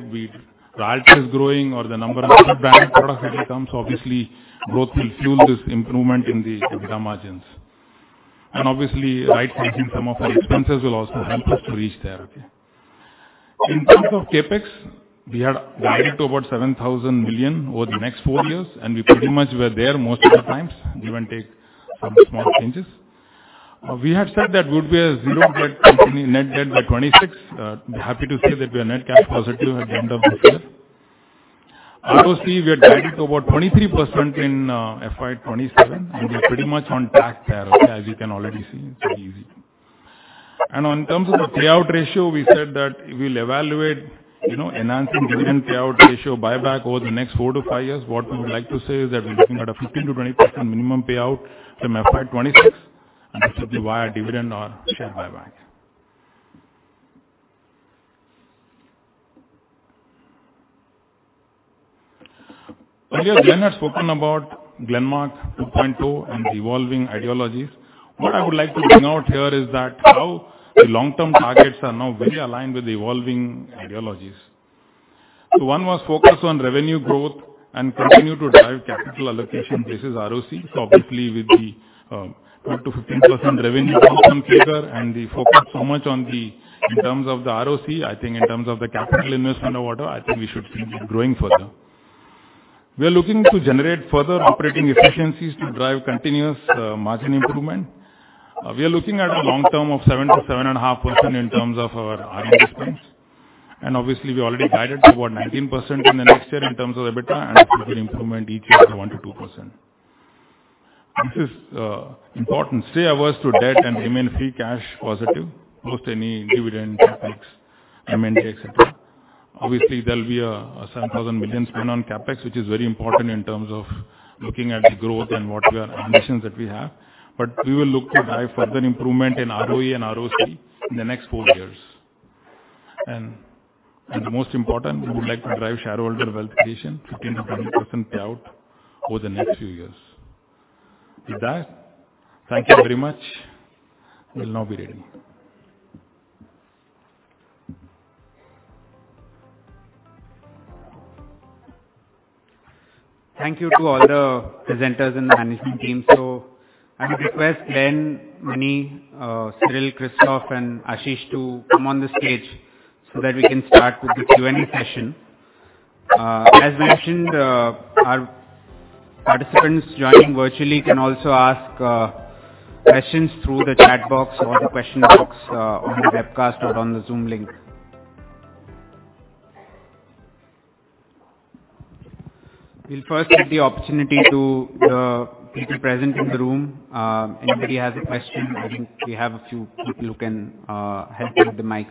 Ryaltris is growing or the number of other brand products that will come, so obviously growth will fuel this improvement in the EBITDA margins. Obviously, right-sizing some of our expenses will also help us to reach there. In terms of CapEx, we had guided to about 7,000 million over the next four years, and we pretty much were there most of the times, give or take some small changes. We had said that we would be a zero net debt company by 2026. We're happy to say that we are net cash positive at the end of this year. ROC, we are guided to about 23% in FY 2027, and we're pretty much on track there, okay, as you can already see, it's easy. And in terms of the payout ratio, we said that we'll evaluate, you know, enhancing dividend payout ratio buyback over the next four to five years. What we would like to say is that we're looking at a 15%-20% minimum payout from FY 2026, and this will be via dividend or share buyback.... Earlier, Glenn had spoken about Glenmark 3.0 and evolving ideologies. What I would like to bring out here is that how the long-term targets are now very aligned with the evolving ideologies. So one was focused on revenue growth and continue to drive capital allocation basis, ROC. So obviously, with the 2%-15% revenue growth on CAGR and the focus so much on the, in terms of the ROC, I think in terms of the capital investment order, I think we should keep it growing further. We are looking to generate further operating efficiencies to drive continuous, margin improvement. We are looking at a long-term of 7%-7.5% in terms of our R&D spends, and obviously we already guided toward 19% in the next year in terms of EBITDA, and we will see improvement in EPS of 1%-2%. This is important to stay out of debt and remain free cash positive, post any dividend, CapEx, M&A, et cetera. Obviously, there will be a 7,000 million spend on CapEx, which is very important in terms of looking at the growth and the ambitions that we have. But we will look to drive further improvement in ROE and ROC in the next four years. The most important, we would like to drive shareholder wealth creation, 15%-20% payout over the next few years. With that, thank you very much. We'll now be ready. Thank you to all the presenters and the management team. So I request Glenn, Mani, Cyril, Christoph, and Ashish to come on the stage so that we can start with the Q&A session. As mentioned, our participants joining virtually can also ask questions through the chat box or the question box on the webcast or on the Zoom link. We'll first give the opportunity to the people present in the room. Anybody has a question? I think we have a few people who can help with the mics.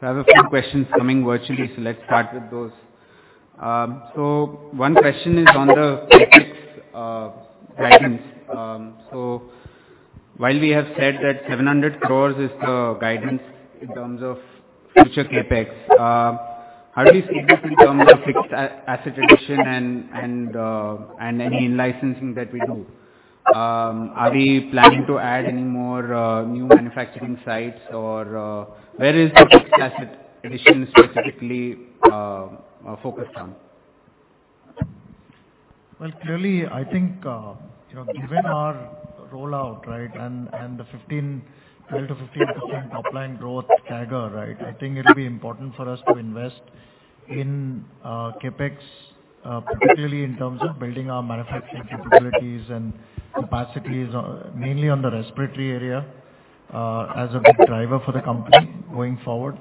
I have a few questions coming virtually, so let's start with those. So one question is on the CapEx guidance. So while we have said that 700 crore is the guidance in terms of future CapEx, how do we see this in terms of fixed asset addition and any in-licensing that we do? Are we planning to add any more new manufacturing sites or where is the asset addition specifically focused on? Well, clearly, I think, you know, given our rollout, right, and the 12%-15% top line growth CAGR, right? I think it'll be important for us to invest in CapEx, particularly in terms of building our manufacturing capabilities and capacities, mainly on the respiratory area, as a big driver for the company going forward.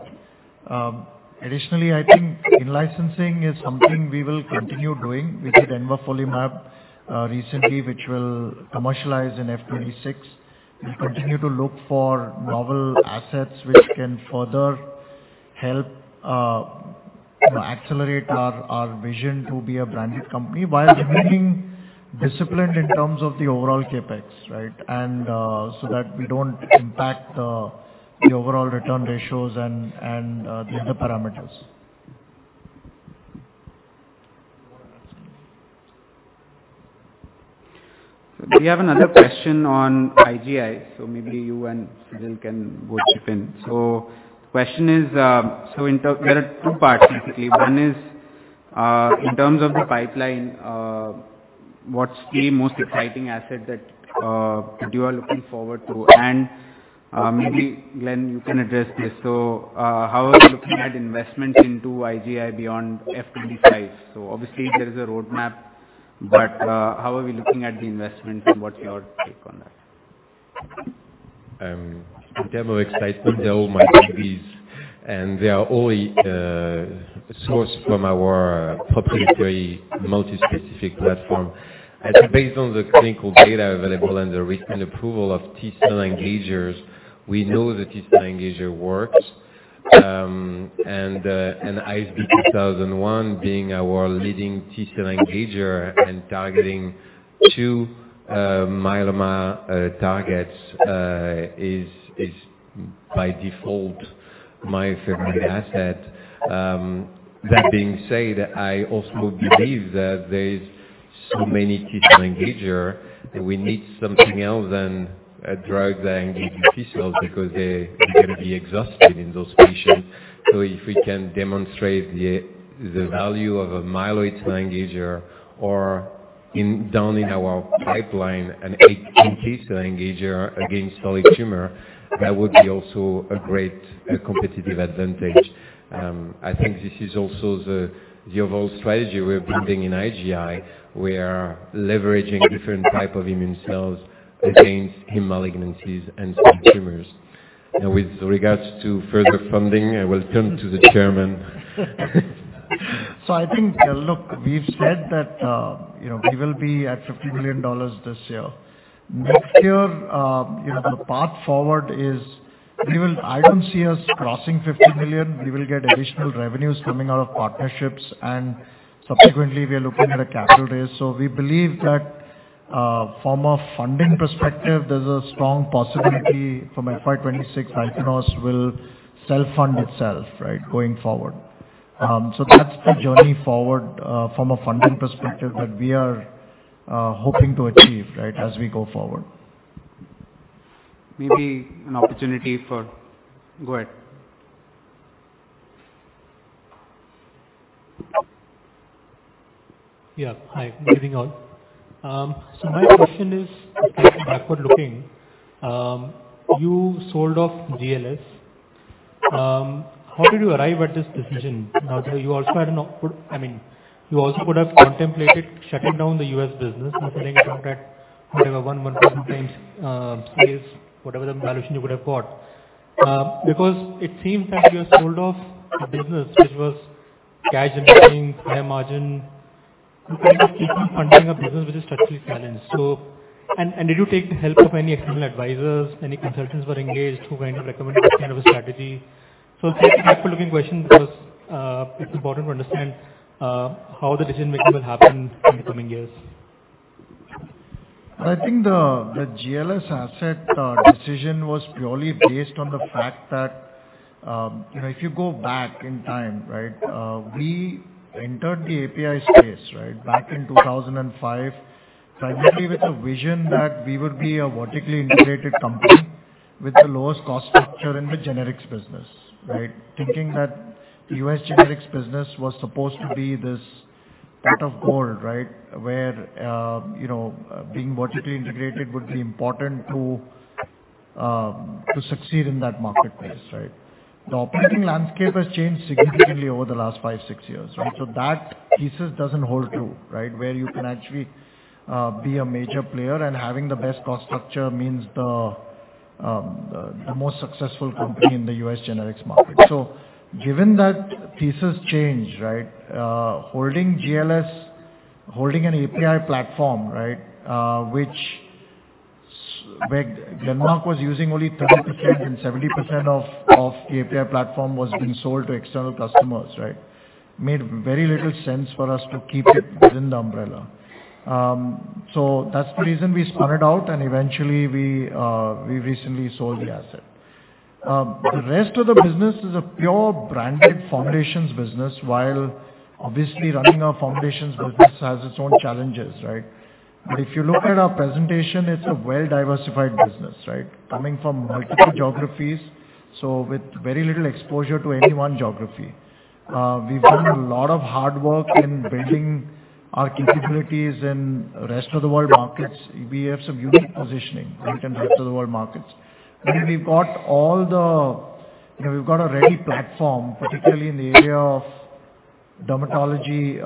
Additionally, I think in-licensing is something we will continue doing. We did envafolimab recently, which will commercialize in FY 2026. We'll continue to look for novel assets which can further help, you know, accelerate our vision to be a branded company, while remaining disciplined in terms of the overall CapEx, right? And so that we don't impact the overall return ratios and the other parameters. We have another question on IGI, so maybe you and Cyril can both chip in. So the question is, There are two parts, basically. One is, in terms of the pipeline, what's the most exciting asset that you are looking forward to? And, maybe, Glenn, you can address this. So, how are you looking at investments into IGI beyond FY 2025? So obviously, there is a roadmap, but, how are we looking at the investment, and what's your take on that? In terms of excitement, they're all my babies, and they are all sourced from our proprietary multi-specific platform. I think based on the clinical data available and the recent approval of T-cell engagers, we know the T-cell engager works. And ISB 2001 being our leading T-cell engager and targeting two myeloma targets is by default my favorite asset. That being said, I also believe that there is so many T-cell engagers, we need something else than a drug that engages T-cells because they are going to be exhausted in those patients. So if we can demonstrate the value of a myeloid engager or in down in our pipeline, an NK cell engager against solid tumor, that would be also a great competitive advantage. I think this is also the overall strategy we're building in IGI. We are leveraging different type of immune cells against heme malignancies and solid tumors. Now, with regards to further funding, I will turn to the chairman. So I think, look, we've said that, you know, we will be at $50 billion this year. Next year, you know, the path forward is. We will—I don't see us crossing $50 million. We will get additional revenues coming out of partnerships, and subsequently, we are looking at a capital raise. So we believe that, from a funding perspective, there's a strong possibility from FY 2026, Ichnos will self-fund itself, right, going forward. So that's the journey forward, from a funding perspective that we are, hoping to achieve, right, as we go forward. Maybe an opportunity for-- Go ahead. Yeah. Hi, good evening all. So my question is backward-looking. You sold off GLS. How did you arrive at this decision? Now, you also had an output—I mean, you also could have contemplated shutting down the U.S. business and selling it out at whatever 1.1x, sales, whatever the valuation you would have got. Because it seems that you have sold off a business which was cash and margin, high margin. You kind of keep on funding a business which is structurally challenged. So... And did you take the help of any external advisors, any consultants were engaged who kind of recommended this kind of a strategy? So it's a backward-looking question because, it's important to understand, how the decision-making will happen in the coming years. I think the GLS asset decision was purely based on the fact that, you know, if you go back in time, right, we entered the API space, right, back in 2005, primarily with a vision that we would be a vertically integrated company with the lowest cost structure in the generics business, right? Thinking that the U.S. generics business was supposed to be this pot of gold, right? Where, you know, being vertically integrated would be important to succeed in that marketplace, right? The operating landscape has changed significantly over the last 5 years-6 years, right? So that thesis doesn't hold true, right, where you can actually be a major player, and having the best cost structure means the most successful company in the U.S. generics market. So given that thesis change, right, holding GLS, holding an API platform, right, where internal was using only 30%, and 70% of the API platform was being sold to external customers, right? Made very little sense for us to keep it within the umbrella. So that's the reason we spun it out, and eventually, we recently sold the asset. The rest of the business is a pure branded formulations business, while obviously running our formulations business has its own challenges, right? But if you look at our presentation, it's a well-diversified business, right? Coming from multiple geographies, so with very little exposure to any one geography. We've done a lot of hard work in building our capabilities in rest of the world markets. We have some unique positioning in the rest of the world markets. We've got all the... You know, we've got a ready platform, particularly in the area of dermatology,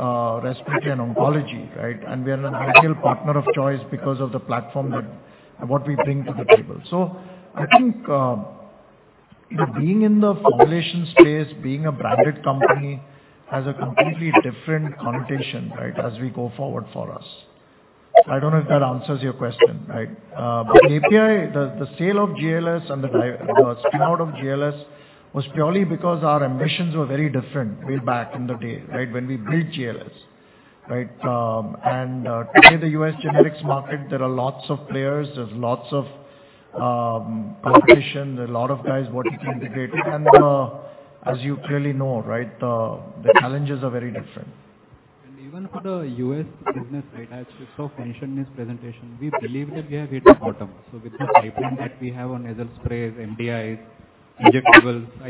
respiratory, and oncology, right? We are an ideal partner of choice because of the platform that—what we bring to the table. So I think, being in the formulation space, being a branded company, has a completely different connotation, right, as we go forward for us. I don't know if that answers your question, right? But the API, the sale of GLS and the spin-out of GLS was purely because our ambitions were very different way back in the day, right, when we built GLS, right? And today, the U.S. generics market, there are lots of players, there's lots of competition, there are a lot of guys vertically integrated, and, as you clearly know, right, the challenges are very different. Even for the U.S. business, right, as Ashish mentioned in his presentation, we believe that we have hit the bottom. With the pipeline that we have on nasal sprays, MDI, injectables, I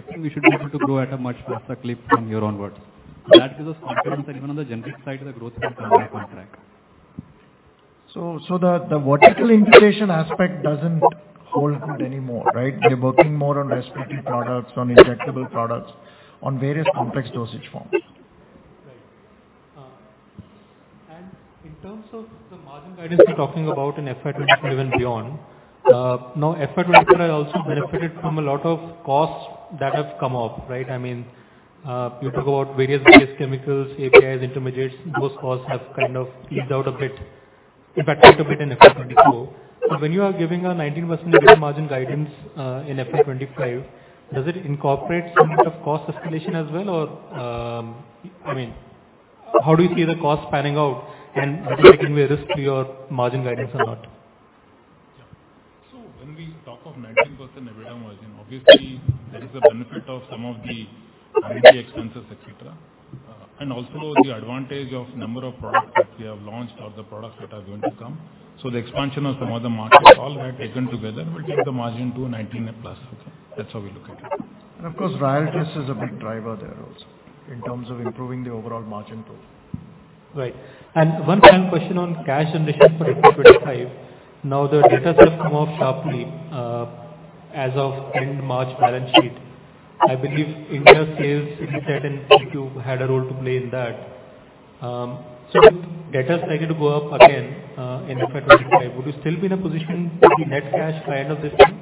think we should be able to grow at a much faster clip from here onwards. That gives us confidence that even on the generic side, the growth can come back on track. So, the vertical integration aspect doesn't hold good anymore, right? We're working more on respiratory products, on injectable products, on various complex dosage forms. Right. And in terms of the margin guidance, you're talking about in FY 2024 and beyond. Now FY 2024 has also benefited from a lot of costs that have come up, right? I mean, you talk about various base chemicals, APIs, intermediates, those costs have kind of eased out a bit, impacted a bit in FY 2024. So when you are giving a 19% EBITDA margin guidance, in FY 2025, does it incorporate some sort of cost escalation as well? Or, I mean, how do you see the costs panning out, and does it bring a risk to your margin guidance or not? So when we talk of 19% EBITDA margin, obviously, there is a benefit of some of the R&D expenses, et cetera. And also the advantage of number of products that we have launched or the products that are going to come. So the expansion of some of the markets, all had taken together, will take the margin to 19+. That's how we look at it. Of course, Ryaltris is a big driver there also, in terms of improving the overall margin too. Right. One final question on cash generation for FY 2025. Now, the debtors have come off sharply, as of end March balance sheet. I believe India sales, you said, and channel financing had a role to play in that. So with debtors likely to go up again, in FY 2025, would you still be in a position to be net cash by end of this year?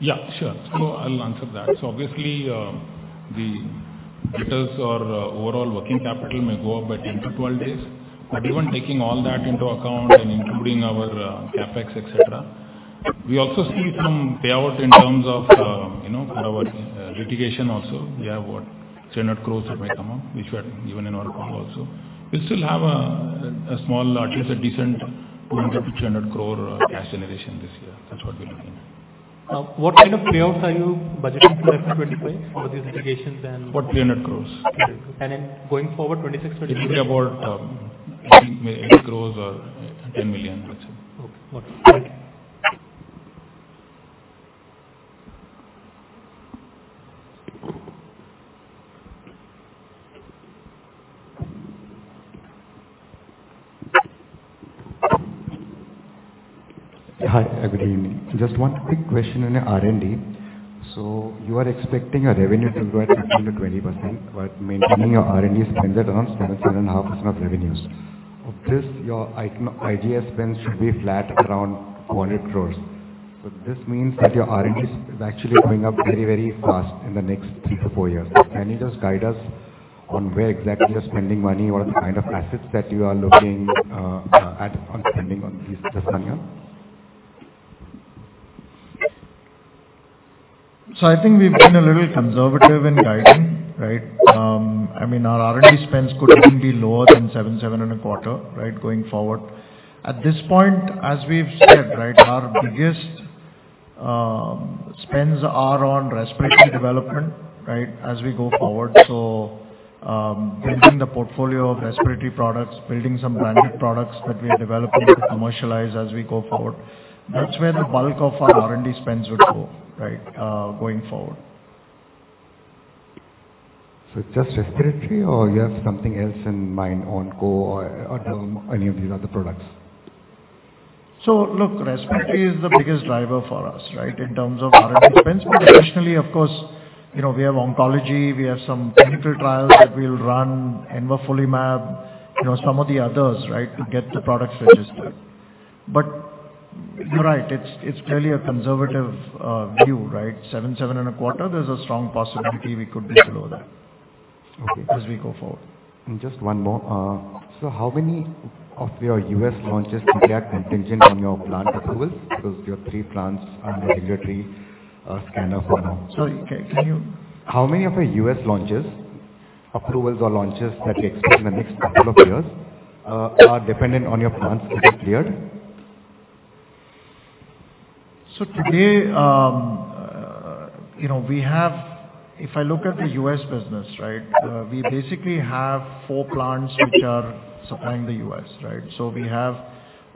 Yeah, sure. So I'll answer that. So obviously, the-... Because our overall working capital may go up by 10-12 days. But even taking all that into account and including our, CapEx, et cetera, we also see some payout in terms of, you know, for our, litigation also. We have what? 300 crore that may come up, which were given in our call also. We still have a, a small, at least a decent 200- 200 crore cash generation this year. That's what we're looking at. Now, what kind of payouts are you budgeting for 2025 for these litigations and- About 300 crore. And then going forward, 2026, 20- It will be about 8 crore or 10 million, let's say. Okay. Got it. Thank you. Hi, good evening. Just one quick question on your R&D. So you are expecting your revenue to grow at 15%-20%, but maintaining your R&D spend around 7.5% of revenues. Of this, your IGI's spend should be flat around 20 crore. So this means that your R&D is actually going up very, very fast in the next 3 years-4 years. Can you just guide us on where exactly you're spending money, what kind of assets that you are looking at on spending on this coming up? So I think we've been a little conservative in guiding, right? I mean, our R&D spends could even be lower than 7-7.25, right, going forward. At this point, as we've said, right, our biggest spends are on respiratory development, right, as we go forward. So, building the portfolio of respiratory products, building some branded products that we are developing to commercialize as we go forward, that's where the bulk of our R&D spends would go, right, going forward. Just respiratory or you have something else in mind, onco or, or any of these other products? So look, respiratory is the biggest driver for us, right, in terms of R&D spends. But additionally, of course, you know, we have oncology, we have some clinical trials that we'll run, envafolimab, you know, some of the others, right, to get the products registered. But you're right, it's, it's clearly a conservative view, right? 7, 7.25, there's a strong possibility we could be below that- Okay. as we go forward. Just one more. So how many of your U.S. launches are yet contingent on your plant approvals? Because your three plants are under regulatory scanner for now. Sorry, can you- How many of your U.S. launches, approvals or launches that you expect in the next couple of years are dependent on your plants to get cleared? So today, you know, we have. If I look at the U.S. business, right, we basically have four plants which are supplying the U.S., right? So we have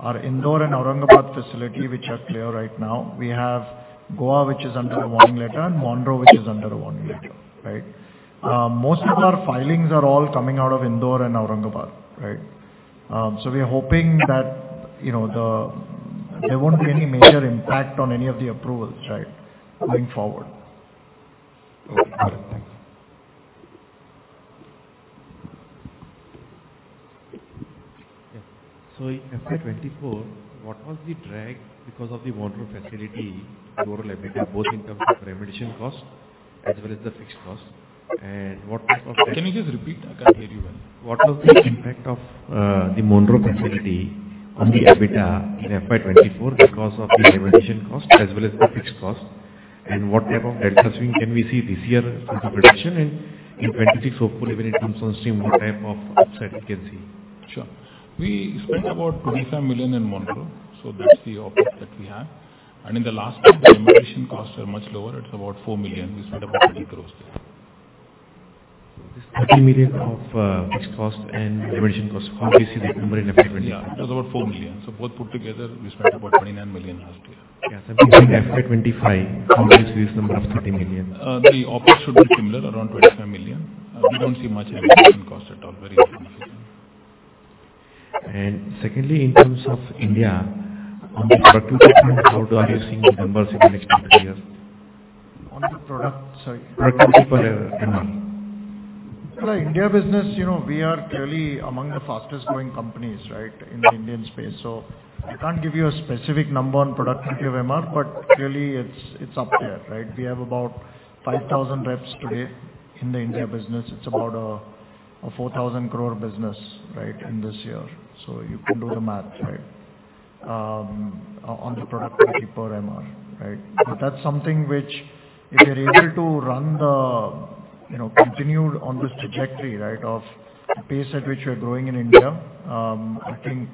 our Indore and Aurangabad facility, which are clear right now. We have Goa, which is under a warning letter, and Monroe, which is under a warning letter, right? Most of our filings are all coming out of Indore and Aurangabad, right? So we are hoping that, you know, there won't be any major impact on any of the approvals, right, going forward. Okay, got it. Thanks. Yeah. So in FY 2024, what was the drag because of the Monroe facility, overall EBITDA, both in terms of remediation cost as well as the fixed cost? And what type of- Can you just repeat? I can't hear you well. What was the impact of, the Monroe facility on the EBITDA in FY 2024 because of the remediation cost as well as the fixed cost? And what type of debt swing can we see this year into production and in 2026, hopefully, when it comes on stream, what type of upside we can see? Sure. We spent about $25 million in Monroe, so that's the outlays that we have. And in the last year, the remediation costs were much lower at about $4 million; we spent about 20 crores. This 13 million of fixed cost and remediation cost, from where you see the number in FY 2024? Yeah, it was about 4 million. So both put together, we spent about 29 million last year. Yeah, so in FY 2025, how much is this number of 30 million? The outlays should be similar, around 25 million. We don't see much remediation cost at all, very little. And secondly, in terms of India, on the productivity, how do you see the numbers in the next 30 years? On the product, sorry? Productivity per MR. For India business, you know, we are clearly among the fastest growing companies, right, in the Indian space. So I can't give you a specific number on productivity of MR, but clearly it's up there, right? We have about 5,000 reps today in the India business. It's about a 4,000 crore business, right, in this year. So you can do the math, right, on the productivity per MR, right? But that's something which, if we're able to run the, you know, continued on this trajectory, right, of the pace at which we're growing in India, I think,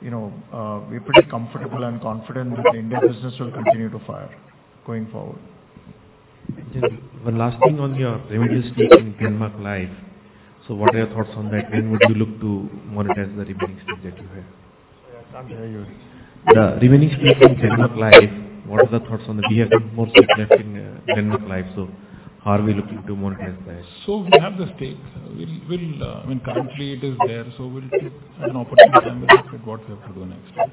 you know, we're pretty comfortable and confident that the India business will continue to fire going forward. One last thing on your remaining stake in Glenmark Life. So what are your thoughts on that? When would you look to monetize the remaining stake that you have? Sorry, I can't hear you. The remaining stake in Glenmark Life, what are the thoughts on that? We have been more significant in Glenmark Life, so how are we looking to monetize that? We have the stake. We'll, I mean, currently it is there, so we'll take an opportunity and look at what we have to do next.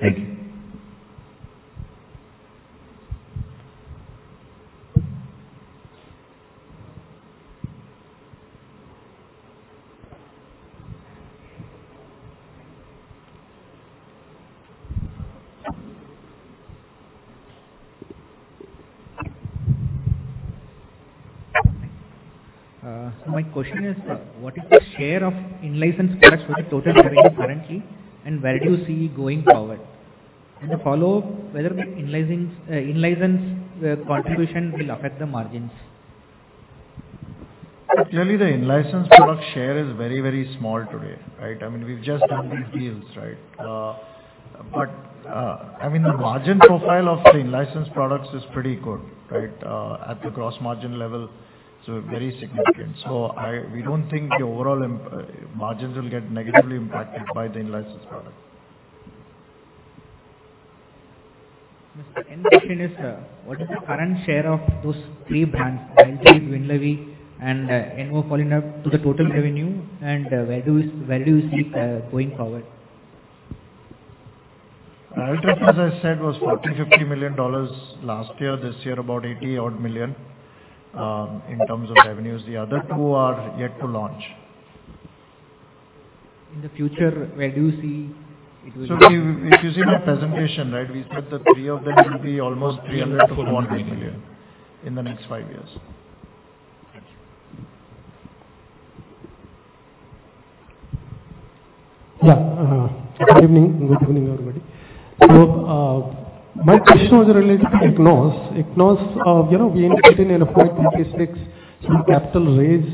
Thank you. ... my question is, what is the share of in-license products with the total revenue currently, and where do you see it going forward? And a follow-up, whether the in-licensing, in-license, contribution will affect the margins? Clearly, the in-license product share is very, very small today, right? I mean, we've just done these deals, right? But, I mean, the margin profile of the in-license products is pretty good, right? At the gross margin level, so very significant. So we don't think the overall margins will get negatively impacted by the in-license products. The question is, what is the current share of those three brands, Ryaltris, Winlevi, and envafolimab to the total revenue, and where do you see it going forward? Ryaltris, as I said, was $40 million-$50 million last year. This year, about $80-odd million in terms of revenues. The other two are yet to launch. In the future, where do you see it will be? So if you see my presentation, right, we said the three of them will be almost 300 million in the next 5 years. Got you. Yeah, good evening. Good evening, everybody. So, my question was related to Ichnos. Ichnos, you know, we invested in a bispecifics, some capital raise,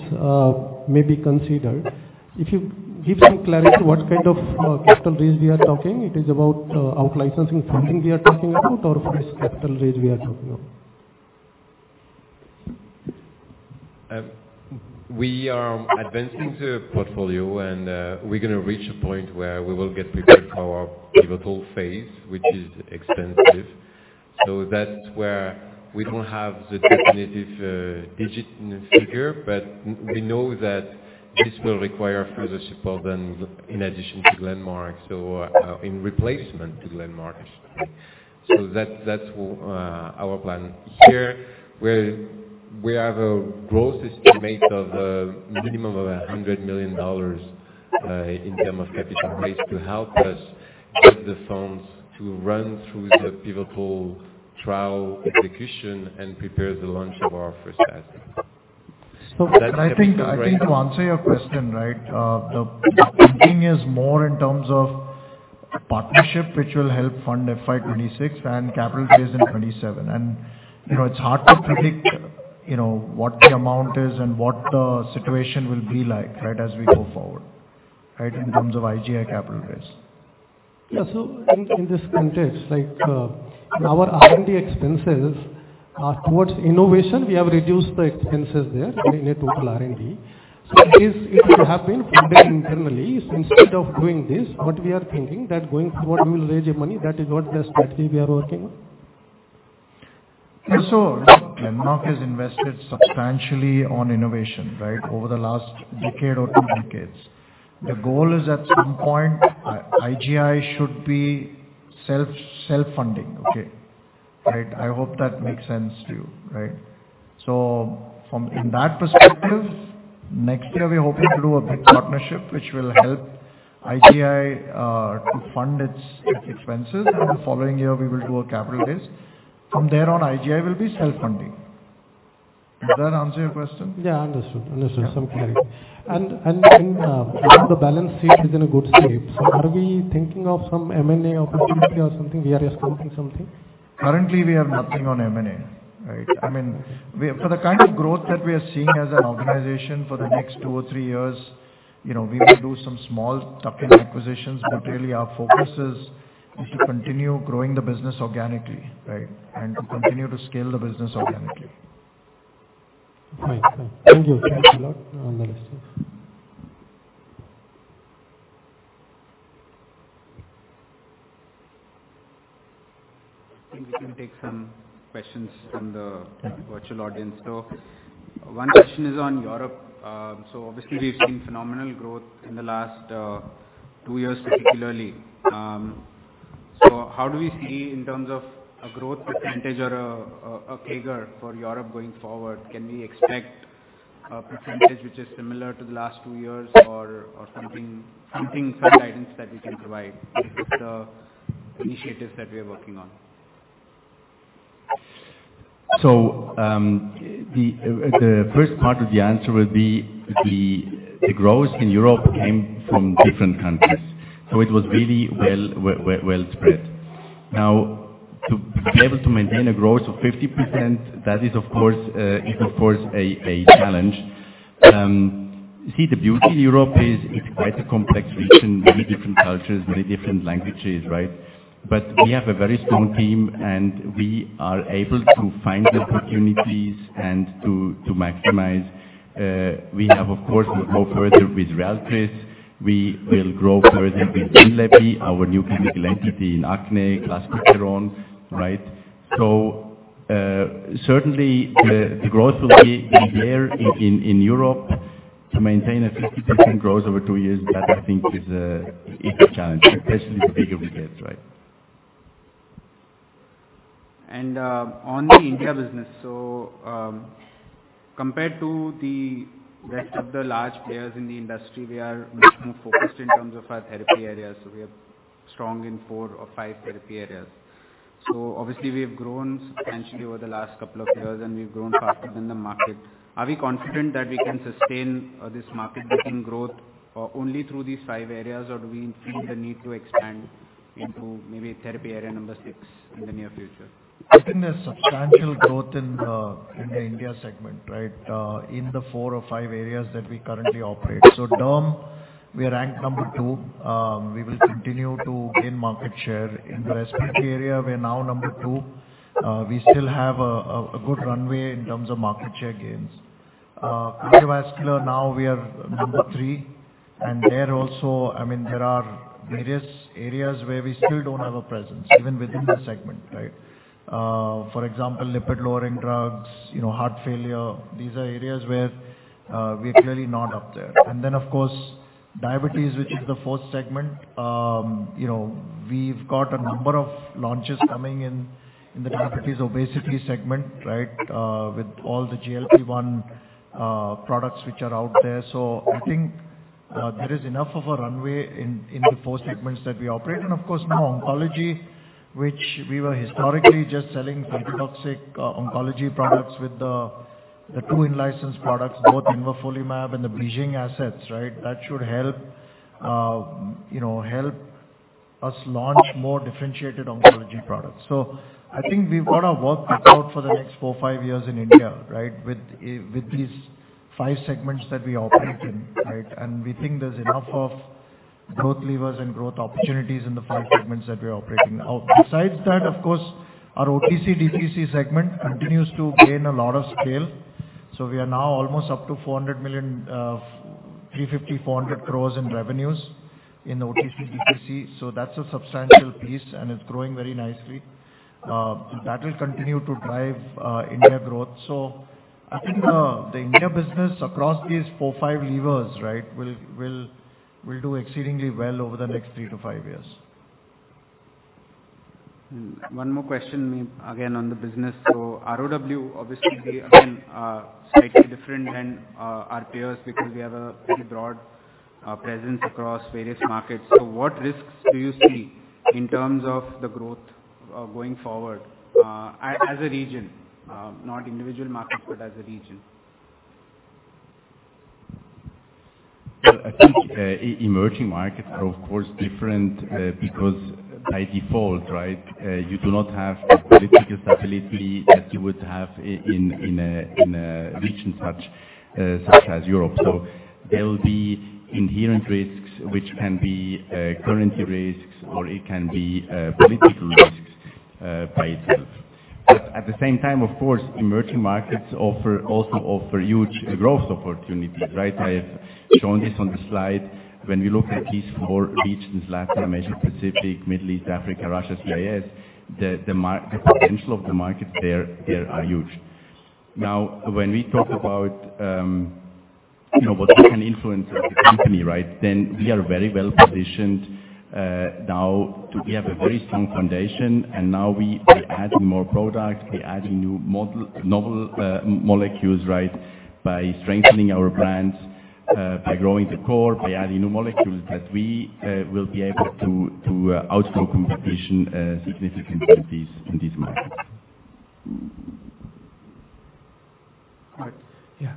may be considered. If you give some clarity, what kind of capital raise we are talking? It is about out licensing funding we are talking about or first capital raise we are talking about? We are advancing the portfolio and we're going to reach a point where we will get prepared for our pivotal phase, which is expensive. So that's where we don't have the definitive digit figure, but we know that this will require further support than in addition to Glenmark, so in replacement to Glenmark. So that's our plan. Here, we have a gross estimate of minimum of $100 million in terms of capital base to help us get the funds to run through the pivotal trial execution and prepare the launch of our first asset. So I think, I think to answer your question, right, the thinking is more in terms of partnership, which will help fund FY 2026 and capital raise in 2027. And, you know, it's hard to predict, you know, what the amount is and what the situation will be like, right, as we go forward, right, in terms of IGI capital raise. Yeah. So in this context, like, our R&D expenses are towards innovation, we have reduced the expenses there in a total R&D. So this, it will happen funded internally. Instead of doing this, what we are thinking that going forward, we will raise your money. That is what the strategy we are working on? So Glenmark has invested substantially on innovation, right, over the last decade or two decades. The goal is, at some point, IGI should be self-funding. Okay? Right. I hope that makes sense to you, right? So, in that perspective, next year, we're hoping to do a big partnership, which will help IGI to fund its expenses, and the following year, we will do a capital raise. From there on, IGI will be self-funding. Does that answer your question? Yeah, understood. Understood. Something like that. And, the balance sheet is in a good state, so are we thinking of some M&A opportunity or something? We are exploring something. Currently, we have nothing on M&A, right? I mean, we- for the kind of growth that we are seeing as an organization for the next two or three years, you know, we will do some small tuck-in acquisitions, but really our focus is, is to continue growing the business organically, right? And to continue to scale the business organically. Fine. Thank you. Thank you a lot on the list. I think we can take some questions from the virtual audience. One question is on Europe. Obviously, we've seen phenomenal growth in the last two years, particularly. So how do we see in terms of a growth percentage or a figure for Europe going forward? Can we expect a percentage which is similar to the last two years or something, some guidance that you can provide with the initiatives that we are working on? The first part of the answer would be the growth in Europe came from different countries, so it was really well spread. Now, to be able to maintain a growth of 50%, that is, of course, is of course, a challenge. You see, the beauty in Europe is it's quite a complex region, very different cultures, very different languages, right? But we have a very strong team, and we are able to find the opportunities and to maximize. We have, of course, more further with Ryaltris. We will grow further with Winlevi, our new chemical entity in acne, clascoterone, right? So, certainly, the growth will be there in Europe. To maintain a 50% growth over two years, that I think is, it's a challenge, especially the bigger we get, right. On the India business, compared to the rest of the large players in the industry, we are much more focused in terms of our therapy areas. So we are strong in four or five therapy areas. So obviously, we have grown substantially over the last couple of years, and we've grown faster than the market. Are we confident that we can sustain this market-beating growth only through these five areas? Or do we feel the need to expand into maybe therapy area number six in the near future? I think there's substantial growth in the India segment, right, in the 4 or 5 areas that we currently operate. So Derm, we are ranked number 2. We will continue to gain market share. In the respiratory area, we're now number 2. We still have a good runway in terms of market share gains. Cardiovascular, now we are number 3, and there also, I mean, there are various areas where we still don't have a presence, even within this segment, right? For example, lipid-lowering drugs, you know, heart failure, these are areas where we're clearly not up there. And then, of course, diabetes, which is the fourth segment. You know, we've got a number of launches coming in, in the diabetes, obesity segment, right, with all the GLP-1 products which are out there. So I think, there is enough of a runway in the 4 segments that we operate. And of course, now oncology, which we were historically just selling cytotoxic oncology products with the two in-licensed products, both nivolumab and the BeiGene assets, right? That should help, you know, help us launch more differentiated oncology products. So I think we've got our work cut out for the next 4-5 years in India, right, with these 5 segments that we operate in, right? And we think there's enough of growth levers and growth opportunities in the 5 segments that we operate in now. Besides that, of course, our OTC/DTC segment continues to gain a lot of scale. So we are now almost up to 400 million, 350- 400 crores in revenues in OTC/DTC. So that's a substantial piece, and it's growing very nicely. That will continue to drive India growth. So I think the India business across these four, five levers, right, will do exceedingly well over the next three to five years. One more question, maybe again, on the business. So ROW, obviously, we, again, are slightly different than our peers because we have a very broad presence across various markets. So what risks do you see in terms of the growth going forward, as a region? Not individual markets, but as a region. Well, I think, emerging markets are, of course, different, because by default, right, you do not have the political stability that you would have in, in a region such as Europe. So there will be inherent risks, which can be, currency risks, or it can be, political risks, by itself. But at the same time, of course, emerging markets offer, also offer huge growth opportunity, right? I have shown this on the slide. When we look at these four regions, Latin America, Pacific, Middle East, Africa, Russia, CIS, the, the potential of the markets there, there are huge. Now, when we talk about, you know, what we can influence as a company, right, then we are very well positioned, now to... We have a very strong foundation, and now we are adding more products. We're adding new novel molecules, right, by strengthening our brands, by growing the core, by adding new molecules that we will be able to outgrow competition significantly in these markets. All right. Yeah.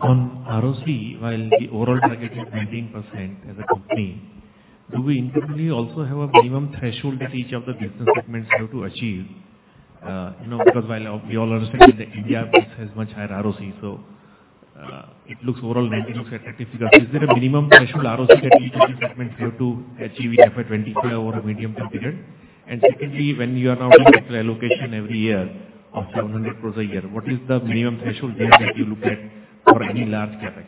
On ROC, while the overall target is 19% as a company, do we internally also have a minimum threshold that each of the business segments have to achieve? You know, because while we all understand that the India business has much higher ROC, so, it looks overall 19 looks significant. Is there a minimum threshold ROC that each business segment have to achieve at 2024 or a medium-term period? And secondly, when you are now doing capital allocation every year of 700 crores a year, what is the minimum threshold there that you look at for any large CapEx?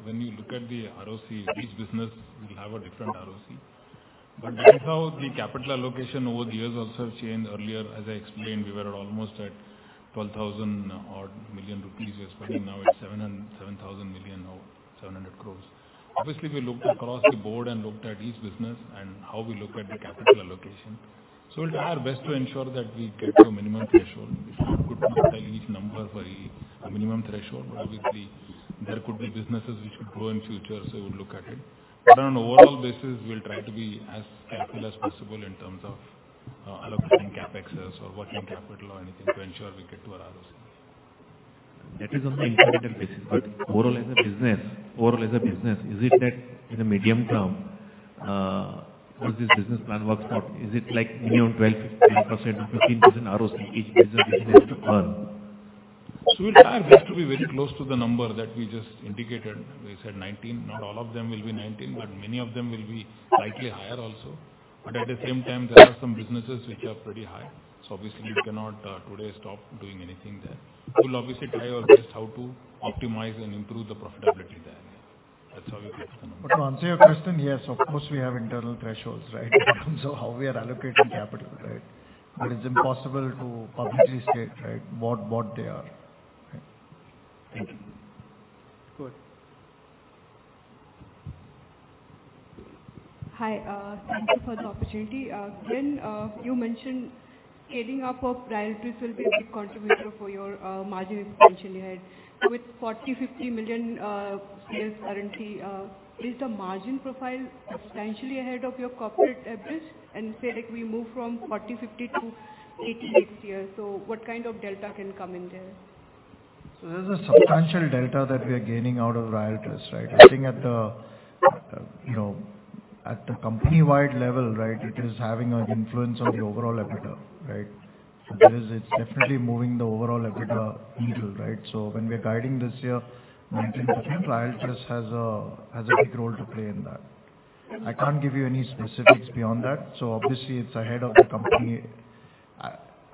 So obviously, when you look at the ROC, each business will have a different ROC. But that's how the capital allocation over the years also has changed. Earlier, as I explained, we were almost at 12,000-odd million rupees we were spending. Now, it's 7,000 million, or 700 crore. Obviously, we looked across the board and looked at each business and how we look at the capital allocation. So we'll try our best to ensure that we get to a minimum threshold. We could not tell you each number for each, a minimum threshold. Obviously, there could be businesses which could grow in future, so we'll look at it. But on an overall basis, we'll try to be as careful as possible in terms of allocating CapEx or working capital or anything to ensure we get to our ROC. That is on an individual basis, but overall as a business, overall as a business, is it that in the medium term, once this business plan works out, is it like minimum 12%-15%, 15% ROC each business has to earn? So we'll try our best to be very close to the number that we just indicated. We said 19. Not all of them will be 19, but many of them will be slightly higher also. But at the same time, there are some businesses which are pretty high, so obviously, we cannot today stop doing anything there. We'll obviously try our best how to optimize and improve the profitability there. That's how we get the number. But to answer your question, yes, of course, we have internal thresholds, right? In terms of how we are allocating capital, right? But it's impossible to publicly state, right, what, what they are. Thank you. Good.... Hi, thank you for the opportunity. When you mentioned scaling up of priorities will be a big contributor for your margin expansion ahead. With 40 million-50 million sales currently, is the margin profile substantially ahead of your corporate average? And say, like, we move from 40 million-50 million to 80 million this year. So what kind of delta can come in there? So there's a substantial delta that we are gaining out of Ryaltris, right? I think at the, you know, at the company-wide level, right, it is having an influence on the overall EBITDA, right? That is, it's definitely moving the overall EBITDA needle, right? So when we are guiding this year, 19%, Ryaltris has a big role to play in that. I can't give you any specifics beyond that. So obviously, it's ahead of the company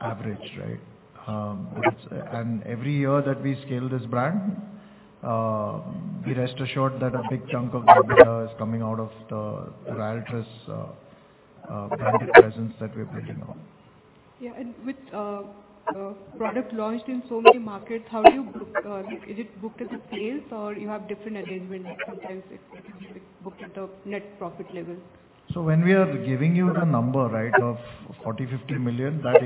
average, right? And every year that we scale this brand, be rest assured that a big chunk of the EBITDA is coming out of the Ryaltris branded presence that we're building on. Yeah, and with product launched in so many markets, how do you book, is it booked as a sales or you have different arrangements, sometimes it's, it's booked at the net profit level? So when we are giving you the number, right, of 40 million-50 million, that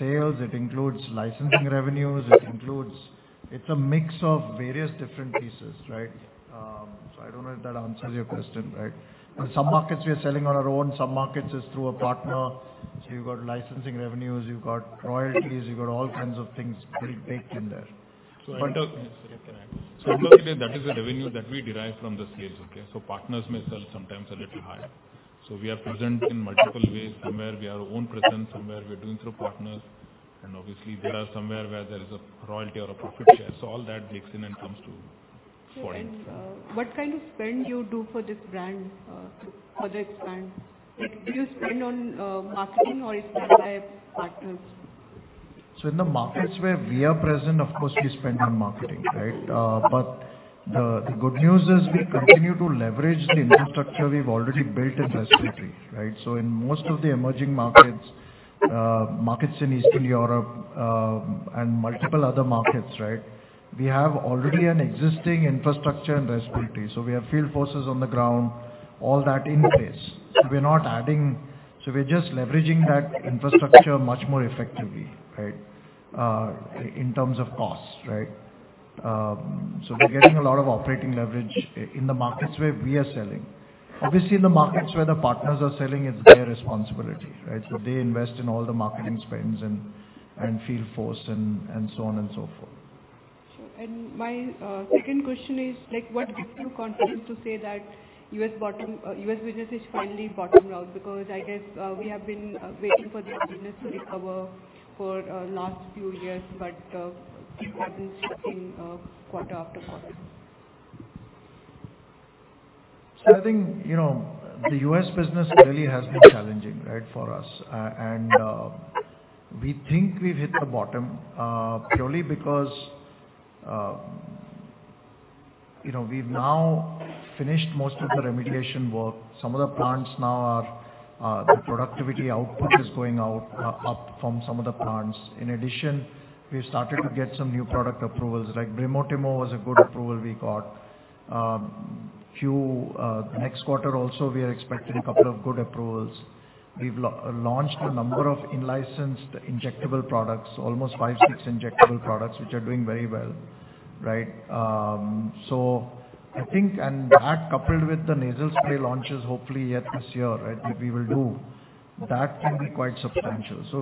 includes sales, it includes licensing revenues, it includes... It's a mix of various different pieces, right? So I don't know if that answers your question, right? But some markets we are selling on our own, some markets is through a partner. So you've got licensing revenues, you've got royalties, you've got all kinds of things getting baked in there. So I think, can I add? That is the revenue that we derive from the sales, okay? Partners may sell sometimes a little higher. We are present in multiple ways. Somewhere, we have our own presence, somewhere we're doing through partners, and obviously, there are some where there is a royalty or a profit share. All that mixes in and comes forward. What kind of spend you do for this brand, for the expand? Do you spend on marketing or is it by partners? So in the markets where we are present, of course, we spend on marketing, right? But the good news is we continue to leverage the infrastructure we've already built in Respiratory, right? So in most of the emerging markets, markets in Eastern Europe, and multiple other markets, right, we already have an existing infrastructure in Respiratory. So we have field forces on the ground, all that in place. So we're just leveraging that infrastructure much more effectively, right, in terms of costs, right? So we're getting a lot of operating leverage in the markets where we are selling. Obviously, in the markets where the partners are selling, it's their responsibility, right? So they invest in all the marketing spends and field force and so on and so forth. Sure. And my second question is, like, what gives you confidence to say that U.S. bottom, U.S. business is finally bottomed out? Because I guess, we have been waiting for this business to recover for last few years, but it has been shifting quarter after quarter. So I think, you know, the U.S. business really has been challenging, right, for us. And we think we've hit the bottom, purely because, you know, we've now finished most of the remediation work. Some of the plants now are, the productivity output is going out, up from some of the plants. In addition, we've started to get some new product approvals, like bremelanotide was a good approval we got. A few next quarter also, we are expecting a couple of good approvals. We've launched a number of in-licensed injectable products, almost 5, 6 injectable products, which are doing very well, right? So I think, and that coupled with the nasal spray launches, hopefully, yet this year, right, that we will do, that can be quite substantial. So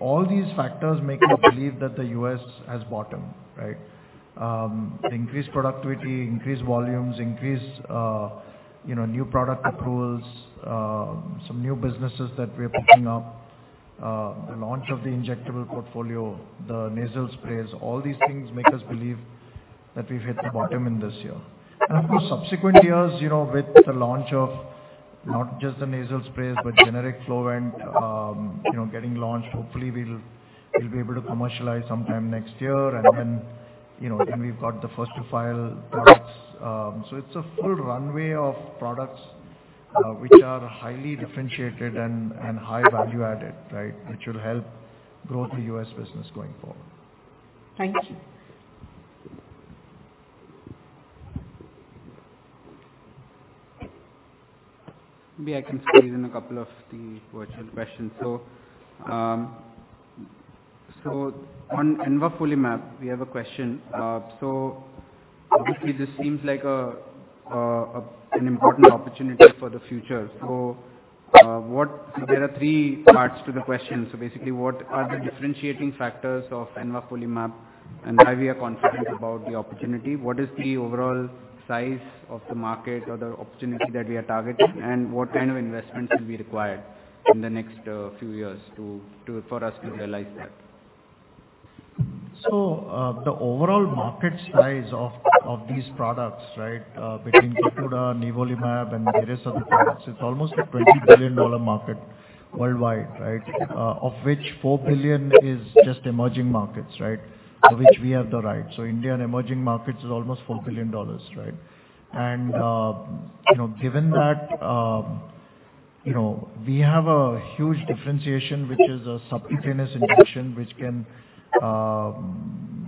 all these factors make me believe that the U.S. has bottomed, right? Increased productivity, increased volumes, increased, you know, new product approvals, some new businesses that we're picking up, the launch of the injectable portfolio, the nasal sprays, all these things make us believe that we've hit the bottom in this year. And of course, subsequent years, you know, with the launch of not just the nasal sprays, but generic Flovent, you know, getting launched, hopefully, we'll, we'll be able to commercialize sometime next year. And then, you know, then we've got the first to file products. So it's a full runway of products, which are highly differentiated and, and high value-added, right? Which will help grow the U.S. business going forward. Thank you. Maybe I can squeeze in a couple of the virtual questions. So, so on envafolimab, we have a question. So obviously, this seems like a, an important opportunity for the future. So, there are three parts to the question. So basically, what are the differentiating factors of envafolimab, and why we are confident about the opportunity? What is the overall size of the market or the opportunity that we are targeting? And what kind of investment will be required in the next, few years to, for us to realize that? So, the overall market size of these products, right, between Tecentriq, envafolimab, and the rest of the products, it's almost a $20 billion market worldwide, right? Of which $4 billion is just emerging markets, right? Of which we have the right. So India and emerging markets is almost $4 billion, right? And, you know, given that... You know, we have a huge differentiation, which is a subcutaneous injection, which can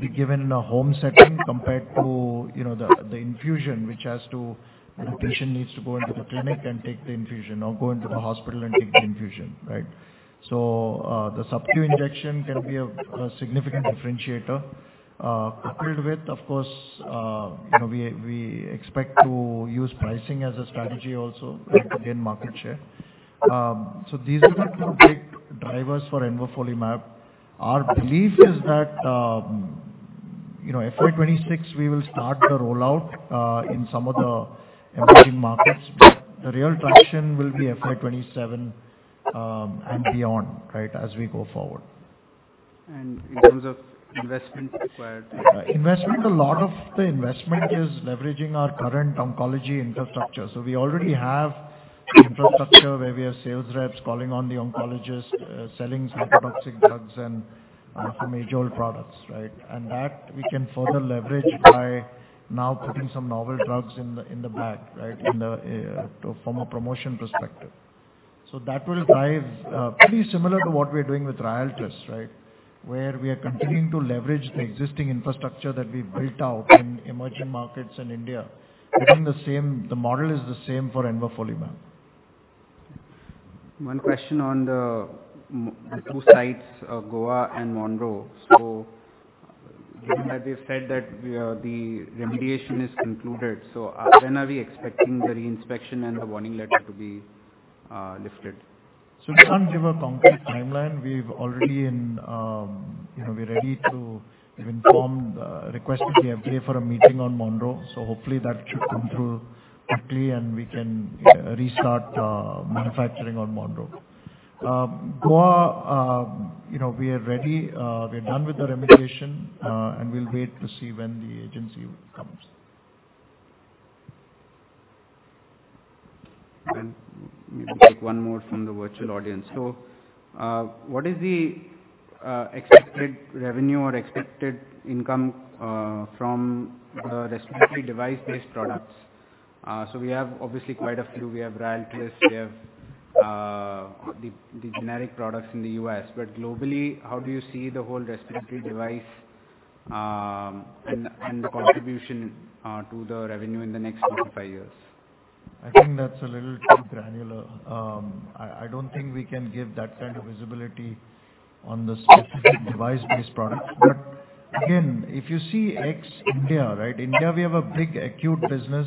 be given in a home setting compared to, you know, the, the infusion, which has to- the patient needs to go into the clinic and take the infusion or go into the hospital and take the infusion, right? So, the subcu injection can be a significant differentiator. Coupled with, of course, you know, we expect to use pricing as a strategy also to gain market share. So these are the two big drivers for envafolimab. Our belief is that, you know, FY 2026, we will start the rollout in some of the emerging markets, but the real traction will be FY 2027 and beyond, right, as we go forward. In terms of investment required? Investment, a lot of the investment is leveraging our current oncology infrastructure. So we already have the infrastructure where we have sales reps calling on the oncologists, selling cytotoxic drugs and, some age-old products, right? And that we can further leverage by now putting some novel drugs in the, in the bag, right, in the, from a promotion perspective. So that will drive, pretty similar to what we are doing with Ryaltris, right? Where we are continuing to leverage the existing infrastructure that we built out in emerging markets and India. Doing the same—the model is the same for envafolimab. One question on the two sites of Goa and Monroe. So you have said that the remediation is concluded, so when are we expecting the re-inspection and the warning letter to be lifted? So we can't give a concrete timeline. We've already in, you know, we're ready to... We've informed, requested the FDA for a meeting on Monroe, so hopefully that should come through quickly, and we can, restart, manufacturing on Monroe. Goa, you know, we are ready, we're done with the remediation, and we'll wait to see when the agency comes. And maybe take one more from the virtual audience. So, what is the expected revenue or expected income from the respiratory device-based products? So we have obviously quite a few. We have Ryaltris, we have the generic products in the U.S. But globally, how do you see the whole respiratory device and the contribution to the revenue in the next two to five years? I think that's a little too granular. I don't think we can give that kind of visibility on the specific device-based products. But again, if you see ex-India, right? India, we have a big acute business,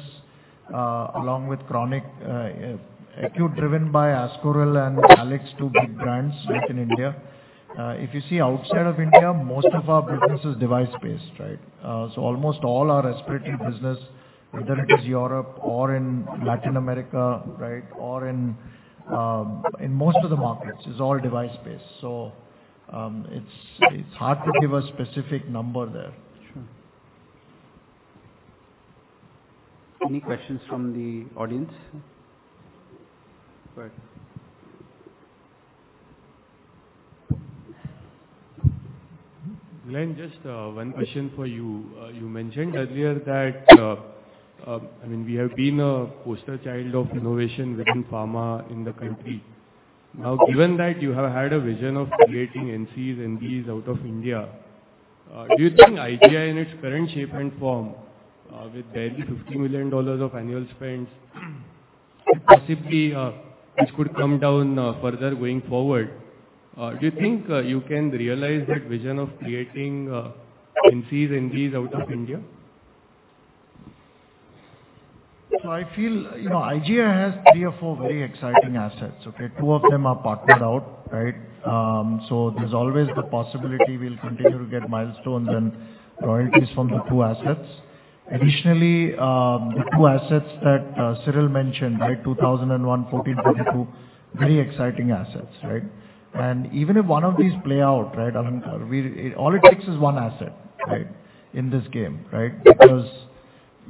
along with chronic, acute, driven by Ascoril and Alex, two big brands within India. If you see outside of India, most of our business is device-based, right? So almost all our respiratory business, whether it is Europe or in Latin America, right, or in most of the markets, is all device-based. So, it's hard to give a specific number there. Sure. Any questions from the audience? Go ahead. Glenn, just one question for you. You mentioned earlier that, I mean, we have been a poster child of innovation within pharma in the country. Now, given that you have had a vision of creating NCEs, NMEs out of India, do you think IGI in its current shape and form, with barely $50 million of annual spends, possibly this could come down further going forward, do you think you can realize that vision of creating NCEs, NMEs out of India? So I feel, you know, IGI has three or four very exciting assets, okay? Two of them are partnered out, right? So there's always the possibility we'll continue to get milestones and royalties from the two assets. Additionally, the two assets that Cyril mentioned, right, 2001, 1442, very exciting assets, right? And even if one of these play out, right, all it takes is one asset, right, in this game, right? Because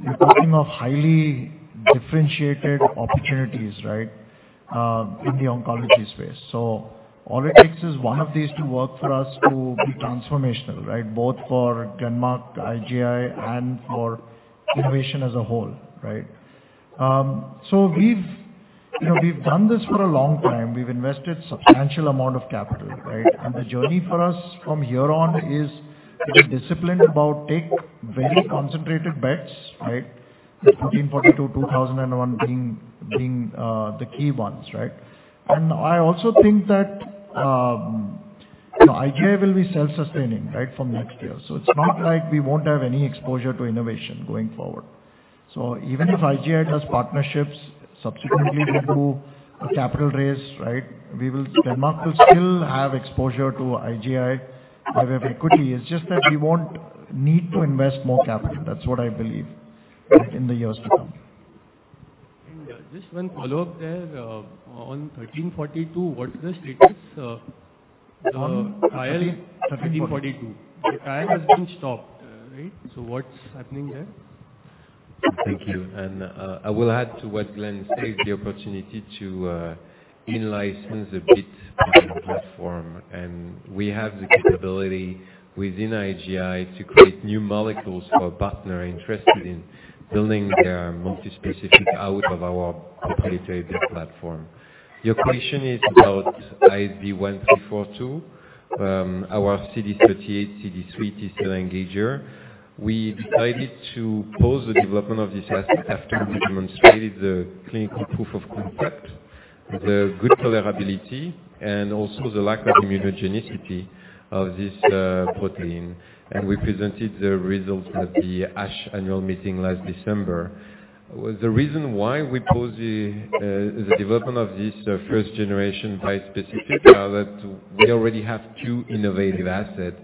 you're talking of highly differentiated opportunities, right, in the oncology space. So all it takes is one of these to work for us to be transformational, right? Both for Glenmark, IGI, and for innovation as a whole, right? So we've, you know, we've done this for a long time. We've invested substantial amount of capital, right? The journey for us from here on is being disciplined about taking very concentrated bets, right? 1442, 2001 being the key ones, right? And I also think that, IGI will be self-sustaining, right, from next year. So it's not like we won't have any exposure to innovation going forward. So even if IGI does partnerships, subsequently we do a capital raise, right? We will—Glenmark will still have exposure to IGI via equity. It's just that we won't need to invest more capital. That's what I believe in the years to come. Just one follow-up there. On 1442, what's the status of the trial in 1442? The trial has been stopped, right? So what's happening there?... Thank you. And, I will add to what Glenn said, the opportunity to, in-license a BEAT platform. And we have the capability within IGI to create new molecules for a partner interested in building their multispecific out of our proprietary platform. Your question is about ISB 1342, our CD38/CD3 T cell engager. We decided to pause the development of this asset after we demonstrated the clinical proof of concept, the good tolerability, and also the lack of immunogenicity of this, protein. And we presented the results at the ASH annual meeting last December. The reason why we pause the development of this first generation bispecific, that we already have two innovative assets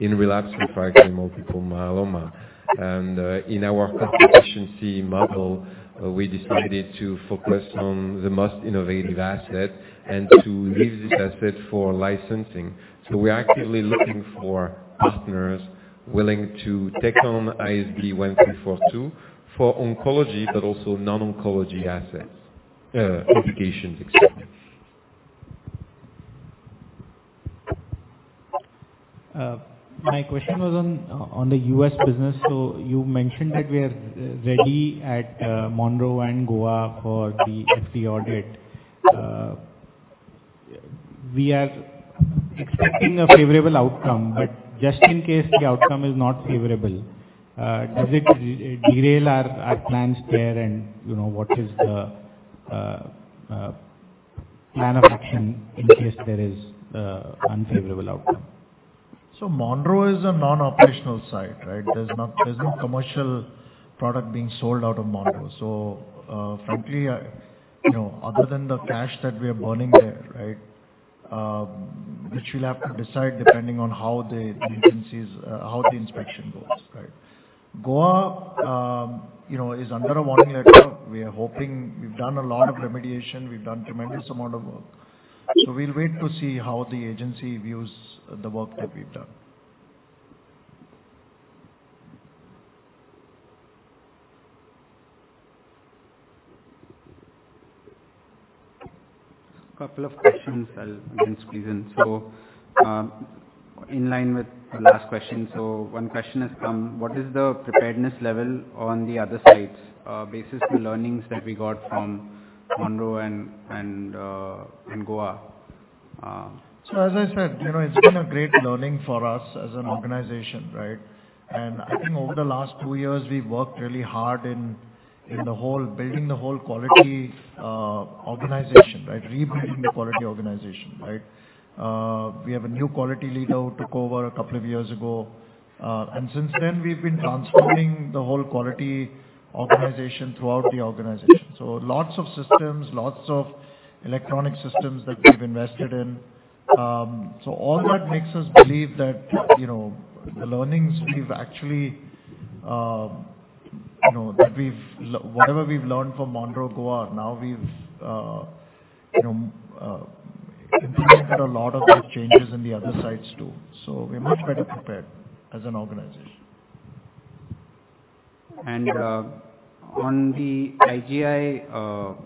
in relapsed refractory multiple myeloma. And, in our efficiency model, we decided to focus on the most innovative asset and to leave this asset for licensing. We're actively looking for partners willing to take on ISB 1442 for oncology, but also non-oncology assets, indications, et cetera. My question was on the U.S. business. So you mentioned that we are ready at Monroe and Goa for the FDA audit. We are expecting a favorable outcome, but just in case the outcome is not favorable, does it derail our plans there? And, you know, what is the plan of action in case there is unfavorable outcome? So Monroe is a non-operational site, right? There's not, there's no commercial product being sold out of Monroe. So, frankly, you know, other than the cash that we are burning there, right, which we'll have to decide depending on how the agencies, how the inspection goes, right? Goa, you know, is under a warning letter. We are hoping... We've done a lot of remediation, we've done tremendous amount of work, so we'll wait to see how the agency views the work that we've done. Couple of questions I'll again squeeze in. So, in line with the last question, so one question has come: What is the preparedness level on the other sites, basis to learnings that we got from Monroe and Goa? So as I said, you know, it's been a great learning for us as an organization, right? I think over the last two years, we've worked really hard in building the whole quality organization, right? Rebuilding the quality organization, right? We have a new quality leader who took over a couple of years ago. And since then, we've been transforming the whole quality organization throughout the organization. So lots of systems, lots of electronic systems that we've invested in. So all that makes us believe that, you know, the learnings we've actually, you know, that we've whatever we've learned from Monroe, Goa, now we've, you know, implemented a lot of those changes in the other sites, too. So we're much better prepared as an organization. On the IGI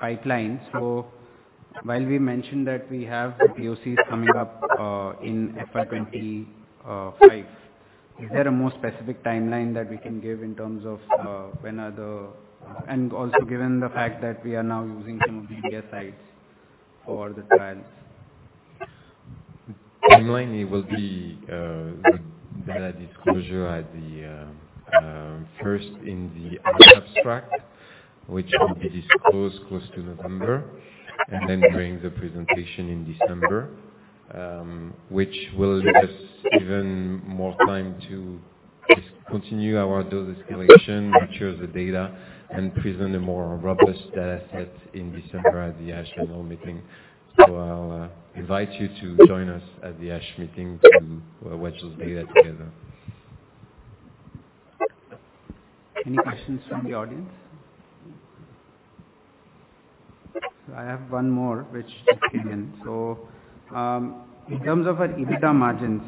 pipeline, so while we mentioned that we have POCs coming up in FY 2025, is there a more specific timeline that we can give in terms of when are the... And also given the fact that we are now using some of the India sites for the trials? Mainly will be the data disclosure at the first in the abstract, which will be disclosed close to November, and then during the presentation in December, which will give us even more time to just continue our dose escalation, mature the data, and present a more robust data set in December at the ASH annual meeting. So I'll invite you to join us at the ASH meeting to watch this data together. Any questions from the audience? I have one more, which just came in. So, in terms of our EBITDA margins,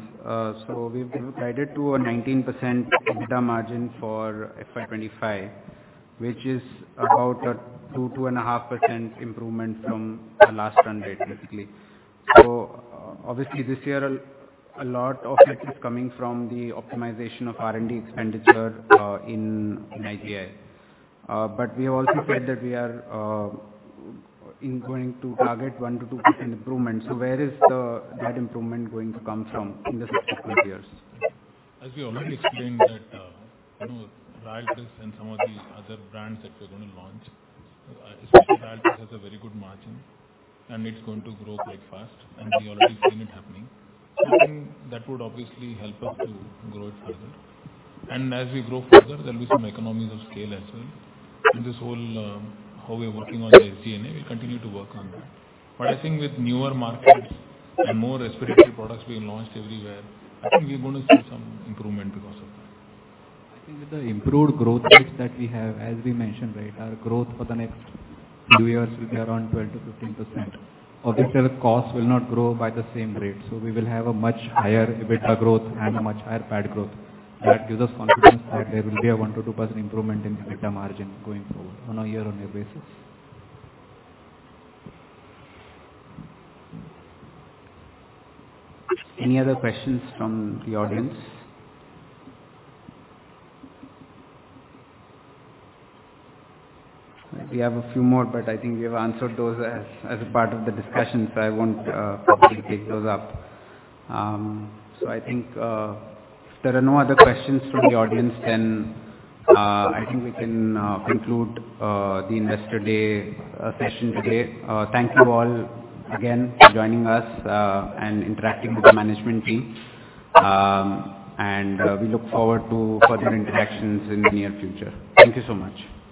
so we've guided to a 19% EBITDA margin for FY 2025, which is about a 2%-2.5% improvement from the last run rate, basically. So obviously, this year, a lot of it is coming from the optimization of R&D expenditure in IGI. But we have also said that we are going to target 1%-2% improvement. So where is that improvement going to come from in the subsequent years? As we already explained that, you know, Ryaltris and some of these other brands that we're going to launch, especially Ryaltris, has a very good margin, and it's going to grow quite fast, and we're already seeing it happening. I think that would obviously help us to grow it further. And as we grow further, there'll be some economies of scale as well. In this whole, how we are working on the SG&A, we'll continue to work on that. But I think with newer markets and more respiratory products being launched everywhere, I think we're going to see some improvement because of that. I think with the improved growth rates that we have, as we mentioned, right, our growth for the next few years will be around 12%-15%. Obviously, the costs will not grow by the same rate, so we will have a much higher EBITDA growth and a much higher PAT growth. That gives us confidence that there will be a 1%-2% improvement in EBITDA margin going forward on a year-on-year basis. Any other questions from the audience? We have a few more, but I think we have answered those as a part of the discussion, so I won't probably take those up. So I think, if there are no other questions from the audience, then I think we can conclude the Investor Day session today. Thank you all again for joining us, and interacting with the management team. We look forward to further interactions in the near future. Thank you so much.